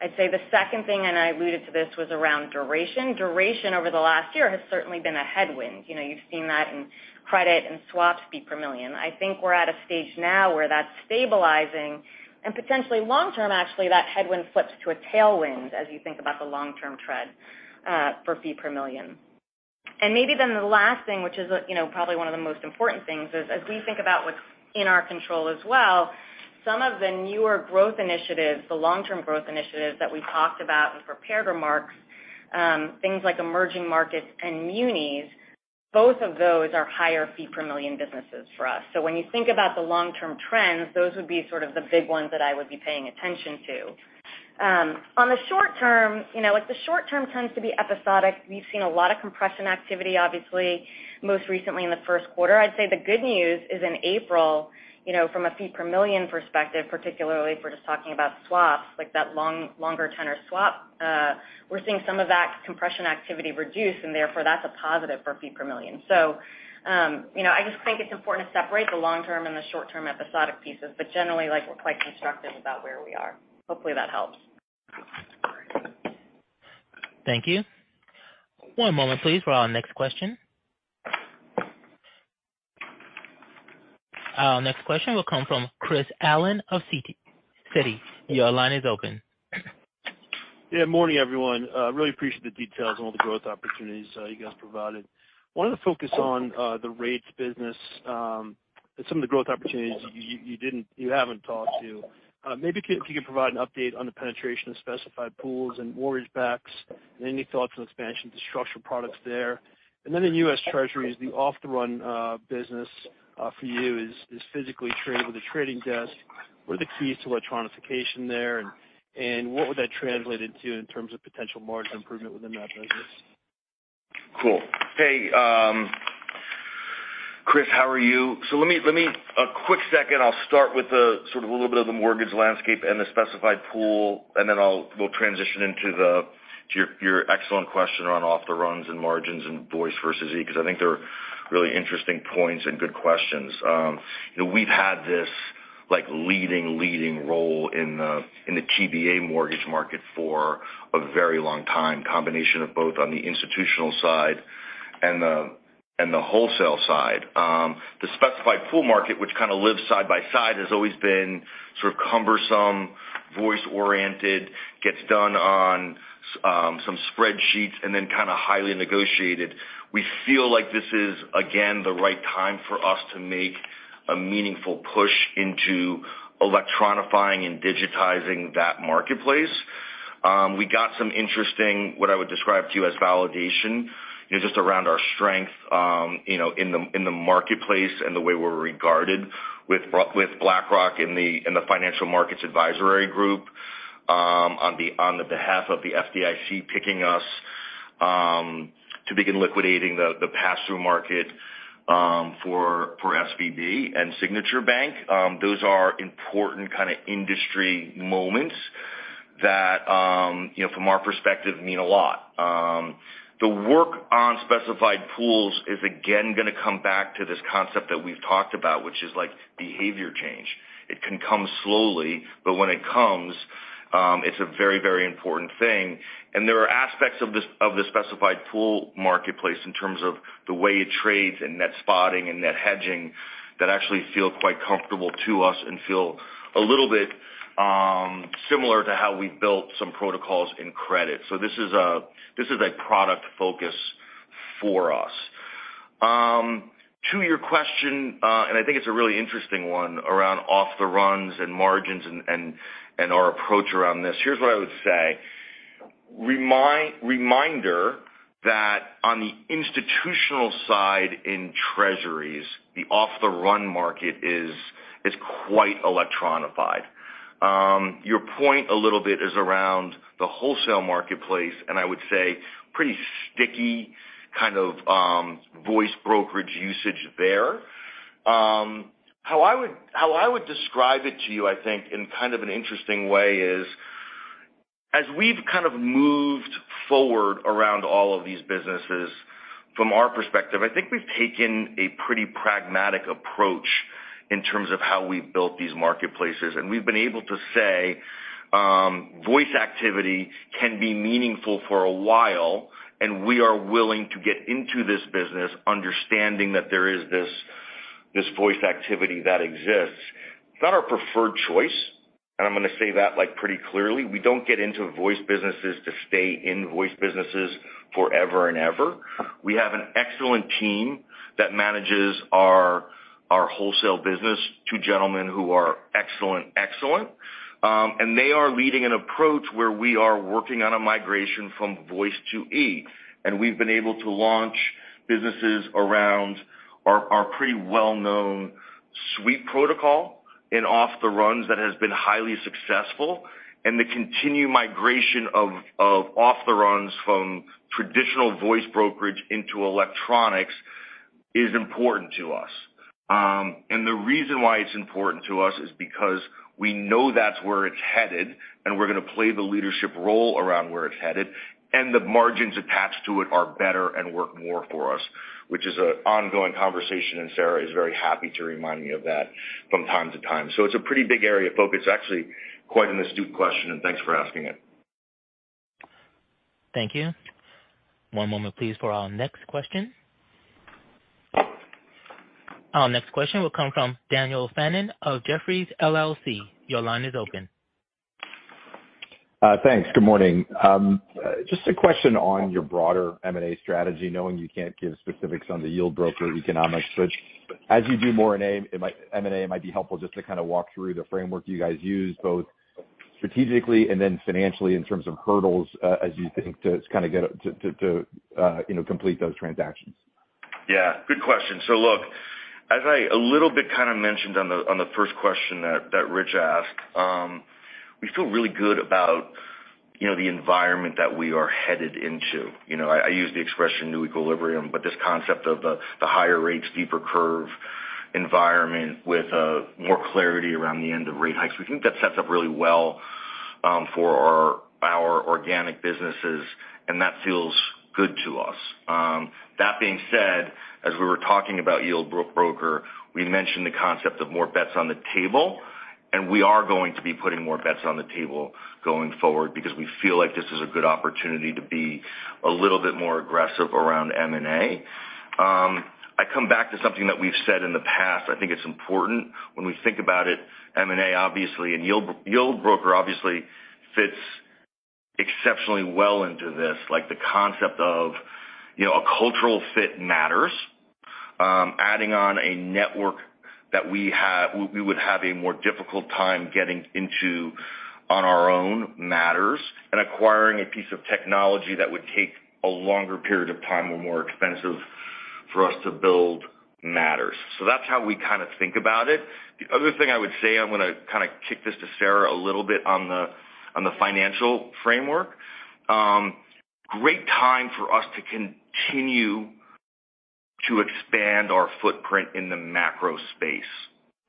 I'd say the second thing, and I alluded to this, was around duration. Duration over the last year has certainly been a headwind. You know, you've seen that in credit and swaps fee per million. I think we're at a stage now where that's stabilizing and potentially long term, actually, that headwind flips to a tailwind as you think about the long-term trend for fee per million. The last thing, which is, you know, probably one of the most important things is as we think about what's in our control as well, some of the newer growth initiatives, the long-term growth initiatives that we talked about in prepared remarks, things like emerging markets and Munis, both of those are higher fee per million businesses for us. When you think about the long-term trends, those would be sort of the big ones that I would be paying attention to. On the short term, you know, like the short term tends to be episodic. We've seen a lot of compression activity, obviously, most recently in the first quarter. I'd say the good news is in April, you know, from a fee per million perspective, particularly if we're just talking about swaps, like that longer tenor swap, therefore that's a positive for fee per million. You know, I just think it's important to separate the long term and the short term episodic pieces. Generally, like, we're quite constructive about where we are. Hopefully, that helps. Thank you. One moment please for our next question. Our next question will come from Chris Allen of Citi. Your line is open. Morning, everyone. Really appreciate the details and all the growth opportunities you guys provided. Wanted to focus on the rates business. Some of the growth opportunities you haven't talked to. Maybe if you could provide an update on the penetration of specified pools and mortgage backs, and any thoughts on expansion to structure products there. In U.S. Treasuries, the off-the-run business for you is physically traded with a trading desk. What are the keys to electronification there, and what would that translate into in terms of potential margin improvement within that business? Cool. Hey, Chris, how are you? A quick second, I'll start with the sort of a little bit of the mortgage landscape and the specified pool, and then we'll transition into the to your excellent question around off the runs and margins and voice versus E, 'cause I think they're really interesting points and good questions. You know, we've had this like leading role in the TBA mortgage market for a very long time, combination of both on the institutional side and the, and the wholesale side. The specified pool market, which kind of lives side by side, has always been sort of cumbersome, voice-oriented, gets done on some spreadsheets and then kind of highly negotiated. We feel like this is, again, the right time for us to make a meaningful push into electronifying and digitizing that marketplace. We got some interesting, what I would describe to you as validation, you know, just around our strength, you know, in the marketplace and the way we're regarded with BlackRock in the financial markets advisory group, on the behalf of the FDIC picking us to begin liquidating the pass-through market for SVB and Signature Bank. Those are important kind of industry moments that, you know, from our perspective mean a lot. The work on specified pools is again gonna come back to this concept that we've talked about, which is like behavior change. It can come slowly, but when it comes, it's a very, very important thing. There are aspects of the specified pool marketplace in terms of the way it trades and Net Spotting and net hedging that actually feel quite comfortable to us and feel a little bit similar to how we built some protocols in credit. This is a product focus for us. To your question, and I think it's a really interesting one around off-the-runs and margins and our approach around this. Here's what I would say. Reminder that on the institutional side in treasuries, the off-the-run market is quite electronified. Your point a little bit is around the wholesale marketplace, and I would say pretty sticky kind of voice brokerage usage there. How I would describe it to you, I think, in kind of an interesting way is, as we've kind of moved forward around all of these businesses, from our perspective, I think we've taken a pretty pragmatic approach in terms of how we've built these marketplaces. We've been able to say, voice activity can be meaningful for a while, and we are willing to get into this business understanding that there is this voice activity that exists. It's not our preferred choice, and I'm gonna say that like pretty clearly. We don't get into voice businesses to stay in voice businesses forever and ever. We have an excellent team that manages our wholesale business, two gentlemen who are excellent. They are leading an approach where we are working on a migration from voice to E. We've been able to launch businesses around our pretty well-known Sweep protocol in off the runs that has been highly successful. The continued migration of off the runs from traditional voice brokerage into electronics is important to us. The reason why it's important to us is because we know that's where it's headed, and we're gonna play the leadership role around where it's headed, and the margins attached to it are better and work more for us, which is an ongoing conversation, and Sara is very happy to remind me of that from time to time. It's a pretty big area of focus. Actually quite an astute question, and thanks for asking it. Thank you. One moment please for our next question. Our next question will come from Daniel Fannon of Jefferies LLC. Your line is open. Thanks. Good morning. Just a question on your broader M&A strategy, knowing you can't give specifics on the Yieldbroker economics, which as you do more M&A, it might be helpful just to kind of walk through the framework you guys use, both strategically and then financially in terms of hurdles, as you think to kind of get to, you know, complete those transactions. Yeah, good question. Look, as I a little bit kind of mentioned on the, on the first question that Rich asked, we feel really good about, you know, the environment that we are headed into. You know, I use the expression new equilibrium. This concept of the higher rates, deeper curve environment with more clarity around the end of rate hikes. We think that sets up really well for our organic businesses, and that feels good to us. That being said, as we were talking about Yieldbroker, we mentioned the concept of more bets on the table, and we are going to be putting more bets on the table going forward because we feel like this is a good opportunity to be a little bit more aggressive around M&A. I come back to something that we've said in the past. I think it's important when we think about it, M&A obviously and Yieldbroker obviously fits exceptionally well into this, like the concept of, you know, a cultural fit matters. Adding on a network that we would have a more difficult time getting into on our own matters and acquiring a piece of technology that would take a longer period of time or more expensive for us to build matters. That's how we kind of think about it. The other thing I would say, I'm gonna kind of kick this to Sara a little bit on the financial framework. Great time for us to continue to expand our footprint in the macro space,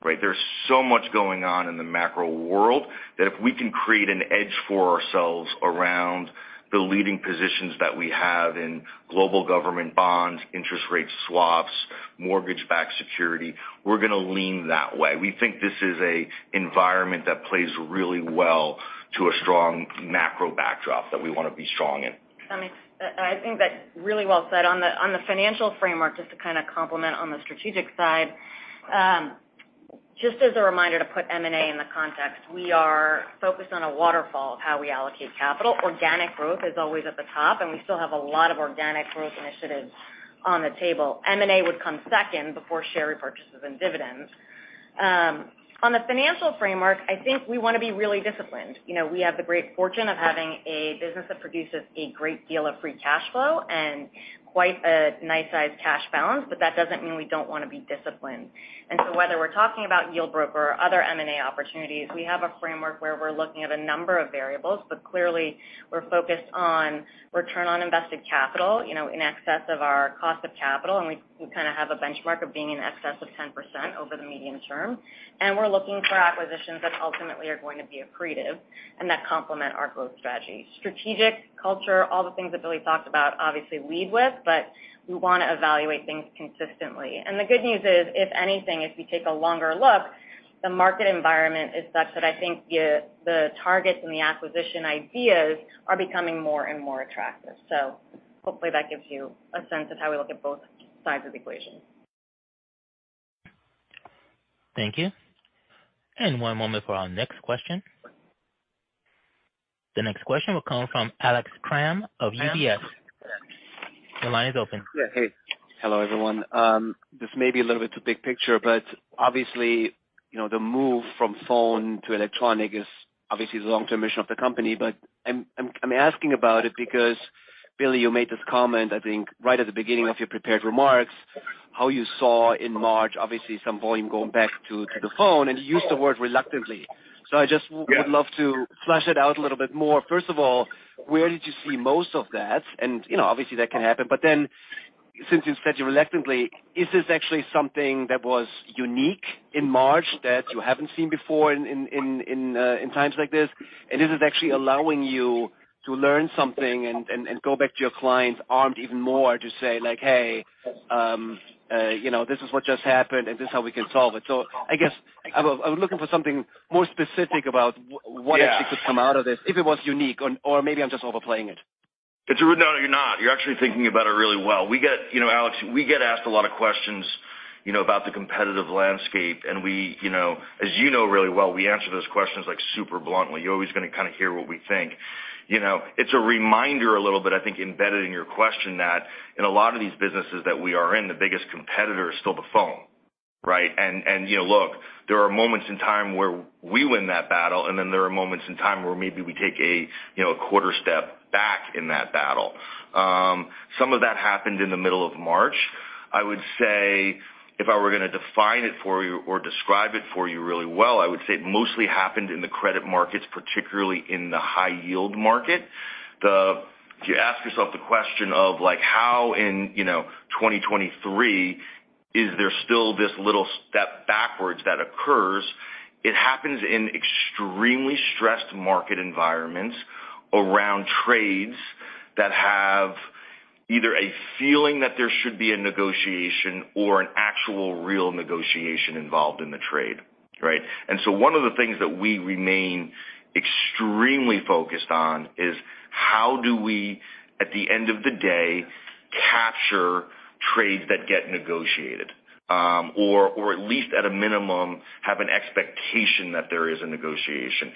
right? There's so much going on in the macro world that if we can create an edge for ourselves around the leading positions that we have in global government bonds, interest rate swaps, mortgage-backed security, we're gonna lean that way. We think this is a environment that plays really well to a strong macro backdrop that we wanna be strong in. I mean, I think that's really well said. On the, on the financial framework, just to kind of complement on the strategic side. Just as a reminder to put M&A in the context, we are focused on a waterfall of how we allocate capital. Organic growth is always at the top, and we still have a lot of organic growth initiatives on the table. M&A would come second before share repurchases and dividends. On the financial framework, I think we wanna be really disciplined. You know, we have the great fortune of having a business that produces a great deal of free cash flow and quite a nice sized cash balance, but that doesn't mean we don't wanna be disciplined. Whether we're talking about Yieldbroker or other M&A opportunities, we have a framework where we're looking at a number of variables, but clearly we're focused on return on invested capital, you know, in excess of our cost of capital. We kind of have a benchmark of being in excess of 10% over the medium term. We're looking for acquisitions that ultimately are going to be accretive and that complement our growth strategy. Strategic culture, all the things that Billy talked about obviously lead with, but we wanna evaluate things consistently. The good news is, if anything, if you take a longer look, the market environment is such that I think the targets and the acquisition ideas are becoming more and more attractive. Hopefully that gives you a sense of how we look at both sides of the equation. Thank you. One moment for our next question. The next question will come from Alex Kramm of UBS. Your line is open. Yeah. Hey. Hello, everyone. This may be a little bit too big picture, but obviously, you know, the move from phone to electronic is obviously the long-term mission of the company. I'm asking about it because, Billy, you made this comment, I think, right at the beginning of your prepared remarks, how you saw in March obviously some volume going back to the phone, and you used the word reluctantly. I just. Yeah. Would love to flush it out a little bit more. First of all, where did you see most of that? You know, obviously that can happen, since you said you reluctantly, is this actually something that was unique in March that you haven't seen before in times like this? Is it actually allowing you to learn something and go back to your clients armed even more to say like, "Hey, you know, this is what just happened and this is how we can solve it." I guess I'm looking for something more specific about. Yeah. actually could come out of this, if it was unique, or maybe I'm just overplaying it. No, you're not. You're actually thinking about it really well. You know, Alex, we get asked a lot of questions, you know, about the competitive landscape, and we, you know, as you know really well, we answer those questions like super bluntly. You're always gonna kind of hear what we think. You know, it's a reminder a little bit, I think, embedded in your question that in a lot of these businesses that we are in, the biggest competitor is still the phone, right? And, you know, look, there are moments in time where we win that battle and then there are moments in time where maybe we take a, you know, a quarter step back in that battle. Some of that happened in the middle of March. I would say if I were gonna define it for you or describe it for you really well, I would say it mostly happened in the credit markets, particularly in the high yield market. If you ask yourself the question of, like, how in, you know, 2023 is there still this little step backwards that occurs? It happens in extremely stressed market environments around trades that have either a feeling that there should be a negotiation or an actual real negotiation involved in the trade, right? One of the things that we remain extremely focused on is how do we, at the end of the day, capture trades that get negotiated, or at least at a minimum have an expectation that there is a negotiation.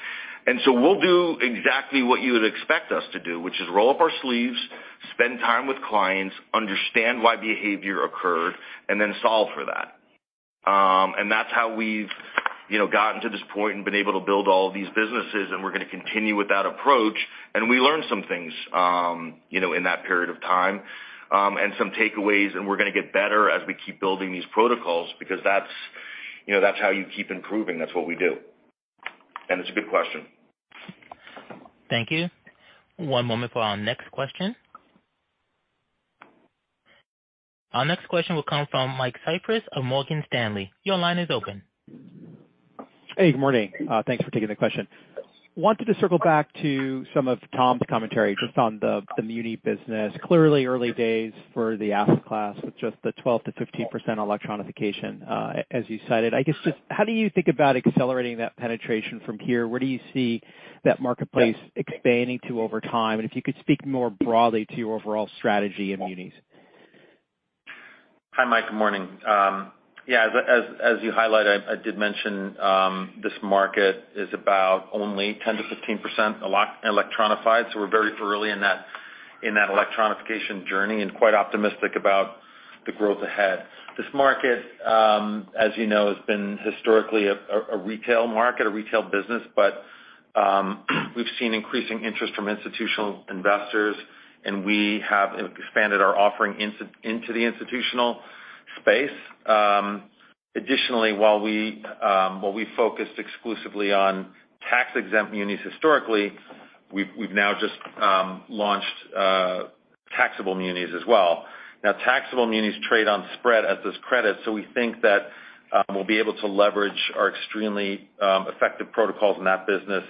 We'll do exactly what you would expect us to do, which is roll up our sleeves, spend time with clients, understand why behavior occurred, and then solve for that. That's how we've, you know, gotten to this point and been able to build all of these businesses and we're gonna continue with that approach. We learned some things, you know, in that period of time, and some takeaways, and we're gonna get better as we keep building these protocols because that's, you know, that's how you keep improving. That's what we do. It's a good question. Thank you. One moment for our next question. Our next question will come from Mike Cyprys of Morgan Stanley. Your line is open. Hey, good morning. Thanks for taking the question. Wanted to circle back to some of Tom's commentary just on the muni business. Clearly early days for the asset class with just the 12%-15% electronification, as you cited. I guess just how do you think about accelerating that penetration from here? Where do you see that marketplace expanding to over time? If you could speak more broadly to your overall strategy in munis. Hi, Mike. Good morning. As you highlighted, I did mention this market is about only 10%-15% electronified. We're very early in that, in that electronification journey and quite optimistic about the growth ahead. This market, as you know, has been historically a retail market, a retail business, but we've seen increasing interest from institutional investors, and we have expanded our offering into the institutional space. Additionally, while we focused exclusively on tax-exempt Munis historically, we've now just launched taxable Munis as well. Taxable Munis trade on spread as does credit, so we think that we'll be able to leverage our extremely effective protocols in that business,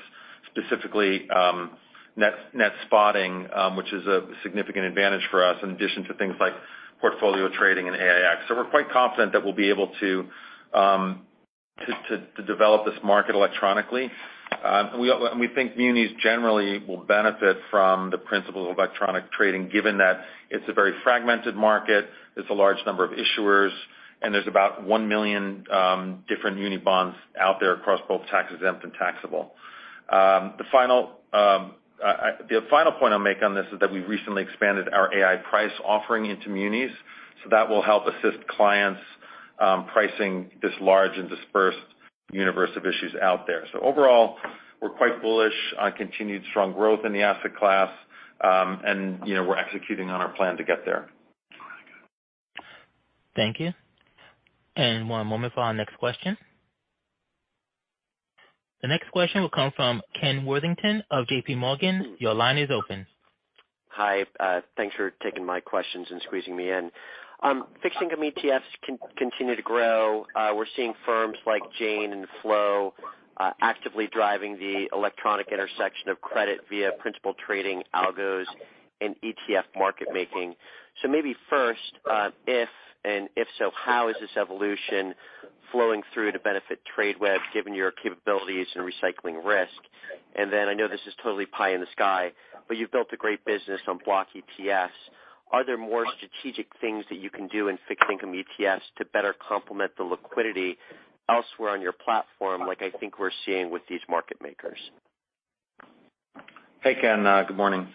specifically, Net Spotting, which is a significant advantage for us in addition to things like portfolio trading and AiEX. We're quite confident that we'll be able to develop this market electronically. We think Munis generally will benefit from the principle of electronic trading, given that it's a very fragmented market, there's a large number of issuers, and there's about 1 million different Muni bonds out there across both tax-exempt and taxable. The final point I'll make on this is that we recently expanded our Ai-Price offering into Munis, so that will help assist clients pricing this large and dispersed universe of issues out there. Overall, we're quite bullish on continued strong growth in the asset class, and, you know, we're executing on our plan to get there. Thank you. One moment for our next question. The next question will come from Ken Worthington of JPMorgan. Your line is open. Hi, thanks for taking my questions and squeezing me in. Fixed income ETFs continue to grow. We're seeing firms like Jane and Flow actively driving the electronic intersection of credit via principal trading algos and ETF market making. Maybe first, if and if so, how is this evolution flowing through to benefit Tradeweb, given your capabilities in recycling risk? I know this is totally pie in the sky, but you've built a great business on block ETFs. Are there more strategic things that you can do in fixed income ETFs to better complement the liquidity elsewhere on your platform like I think we're seeing with these market makers? Hey, Ken. Good morning.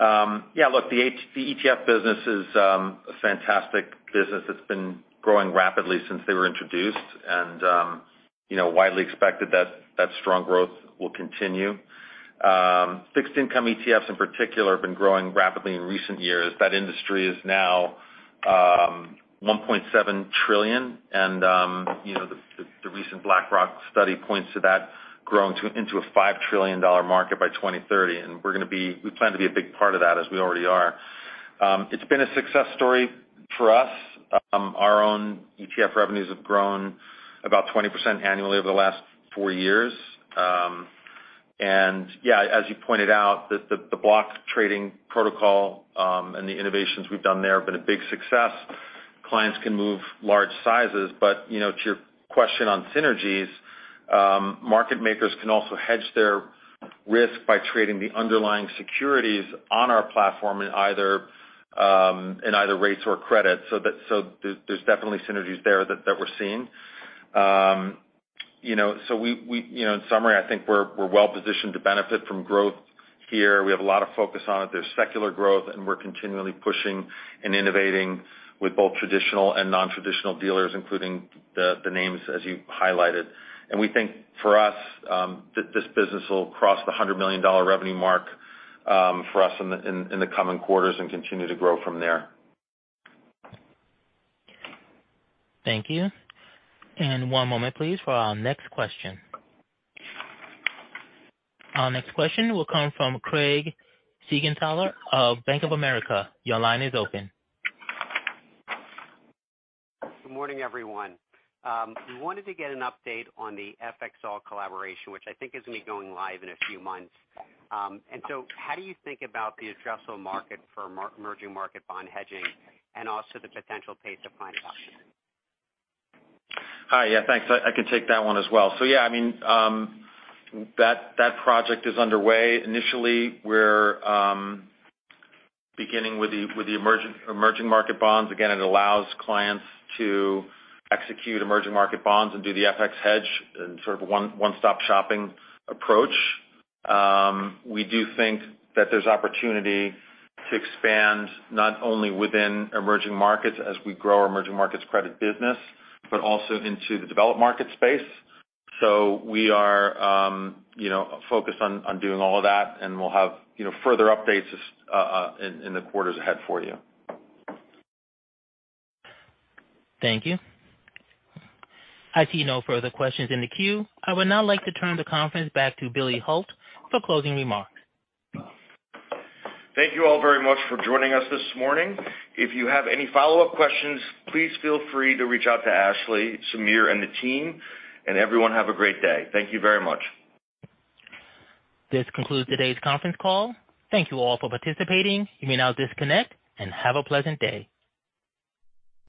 Yeah, look, the ETF business is a fantastic business that's been growing rapidly since they were introduced and, you know, widely expected that that strong growth will continue. Fixed income ETFs in particular have been growing rapidly in recent years. That industry is now $1.7 trillion and, you know, the recent BlackRock study points to that growing into a $5 trillion market by 2030, and we plan to be a big part of that as we already are. It's been a success story for us. Our own ETF revenues have grown about 20% annually over the last four years. Yeah, as you pointed out, the block trading protocol, and the innovations we've done there have been a big success. Clients can move large sizes, but, you know, to your question on synergies, market makers can also hedge their risk by trading the underlying securities on our platform in either rates or credits. There's definitely synergies there that we're seeing. You know, so we, in summary, I think we're well positioned to benefit from growth here. We have a lot of focus on it. There's secular growth, and we're continually pushing and innovating with both traditional and non-traditional dealers, including the names as you highlighted. We think for us, this business will cross the $100 million revenue mark for us in the coming quarters and continue to grow from there. Thank you. One moment please for our next question. Our next question will come from Craig Siegenthaler of Bank of America. Your line is open. Good morning, everyone. We wanted to get an update on the FXall collaboration, which I think is gonna be going live in a few months. How do you think about the addressable market for emerging market bond hedging and also the potential pace of client adoption? Hi. Yeah, thanks. I can take that one as well. Yeah, I mean, that project is underway. Initially, we're beginning with the emerging market bonds. Again, it allows clients to execute emerging market bonds and do the FX hedge in sort of a one-stop shopping approach. We do think that there's opportunity to expand not only within emerging markets as we grow our emerging markets credit business, but also into the developed market space. We are, you know, focused on doing all of that, and we'll have, you know, further updates in the quarters ahead for you. Thank you. I see no further questions in the queue. I would now like to turn the conference back to Billy Hult for closing remarks. Thank you all very much for joining us this morning. If you have any follow-up questions, please feel free to reach out to Ashley, Samir, and the team. Everyone have a great day. Thank you very much. This concludes today's conference call. Thank you all for participating. You may now disconnect and have a pleasant day.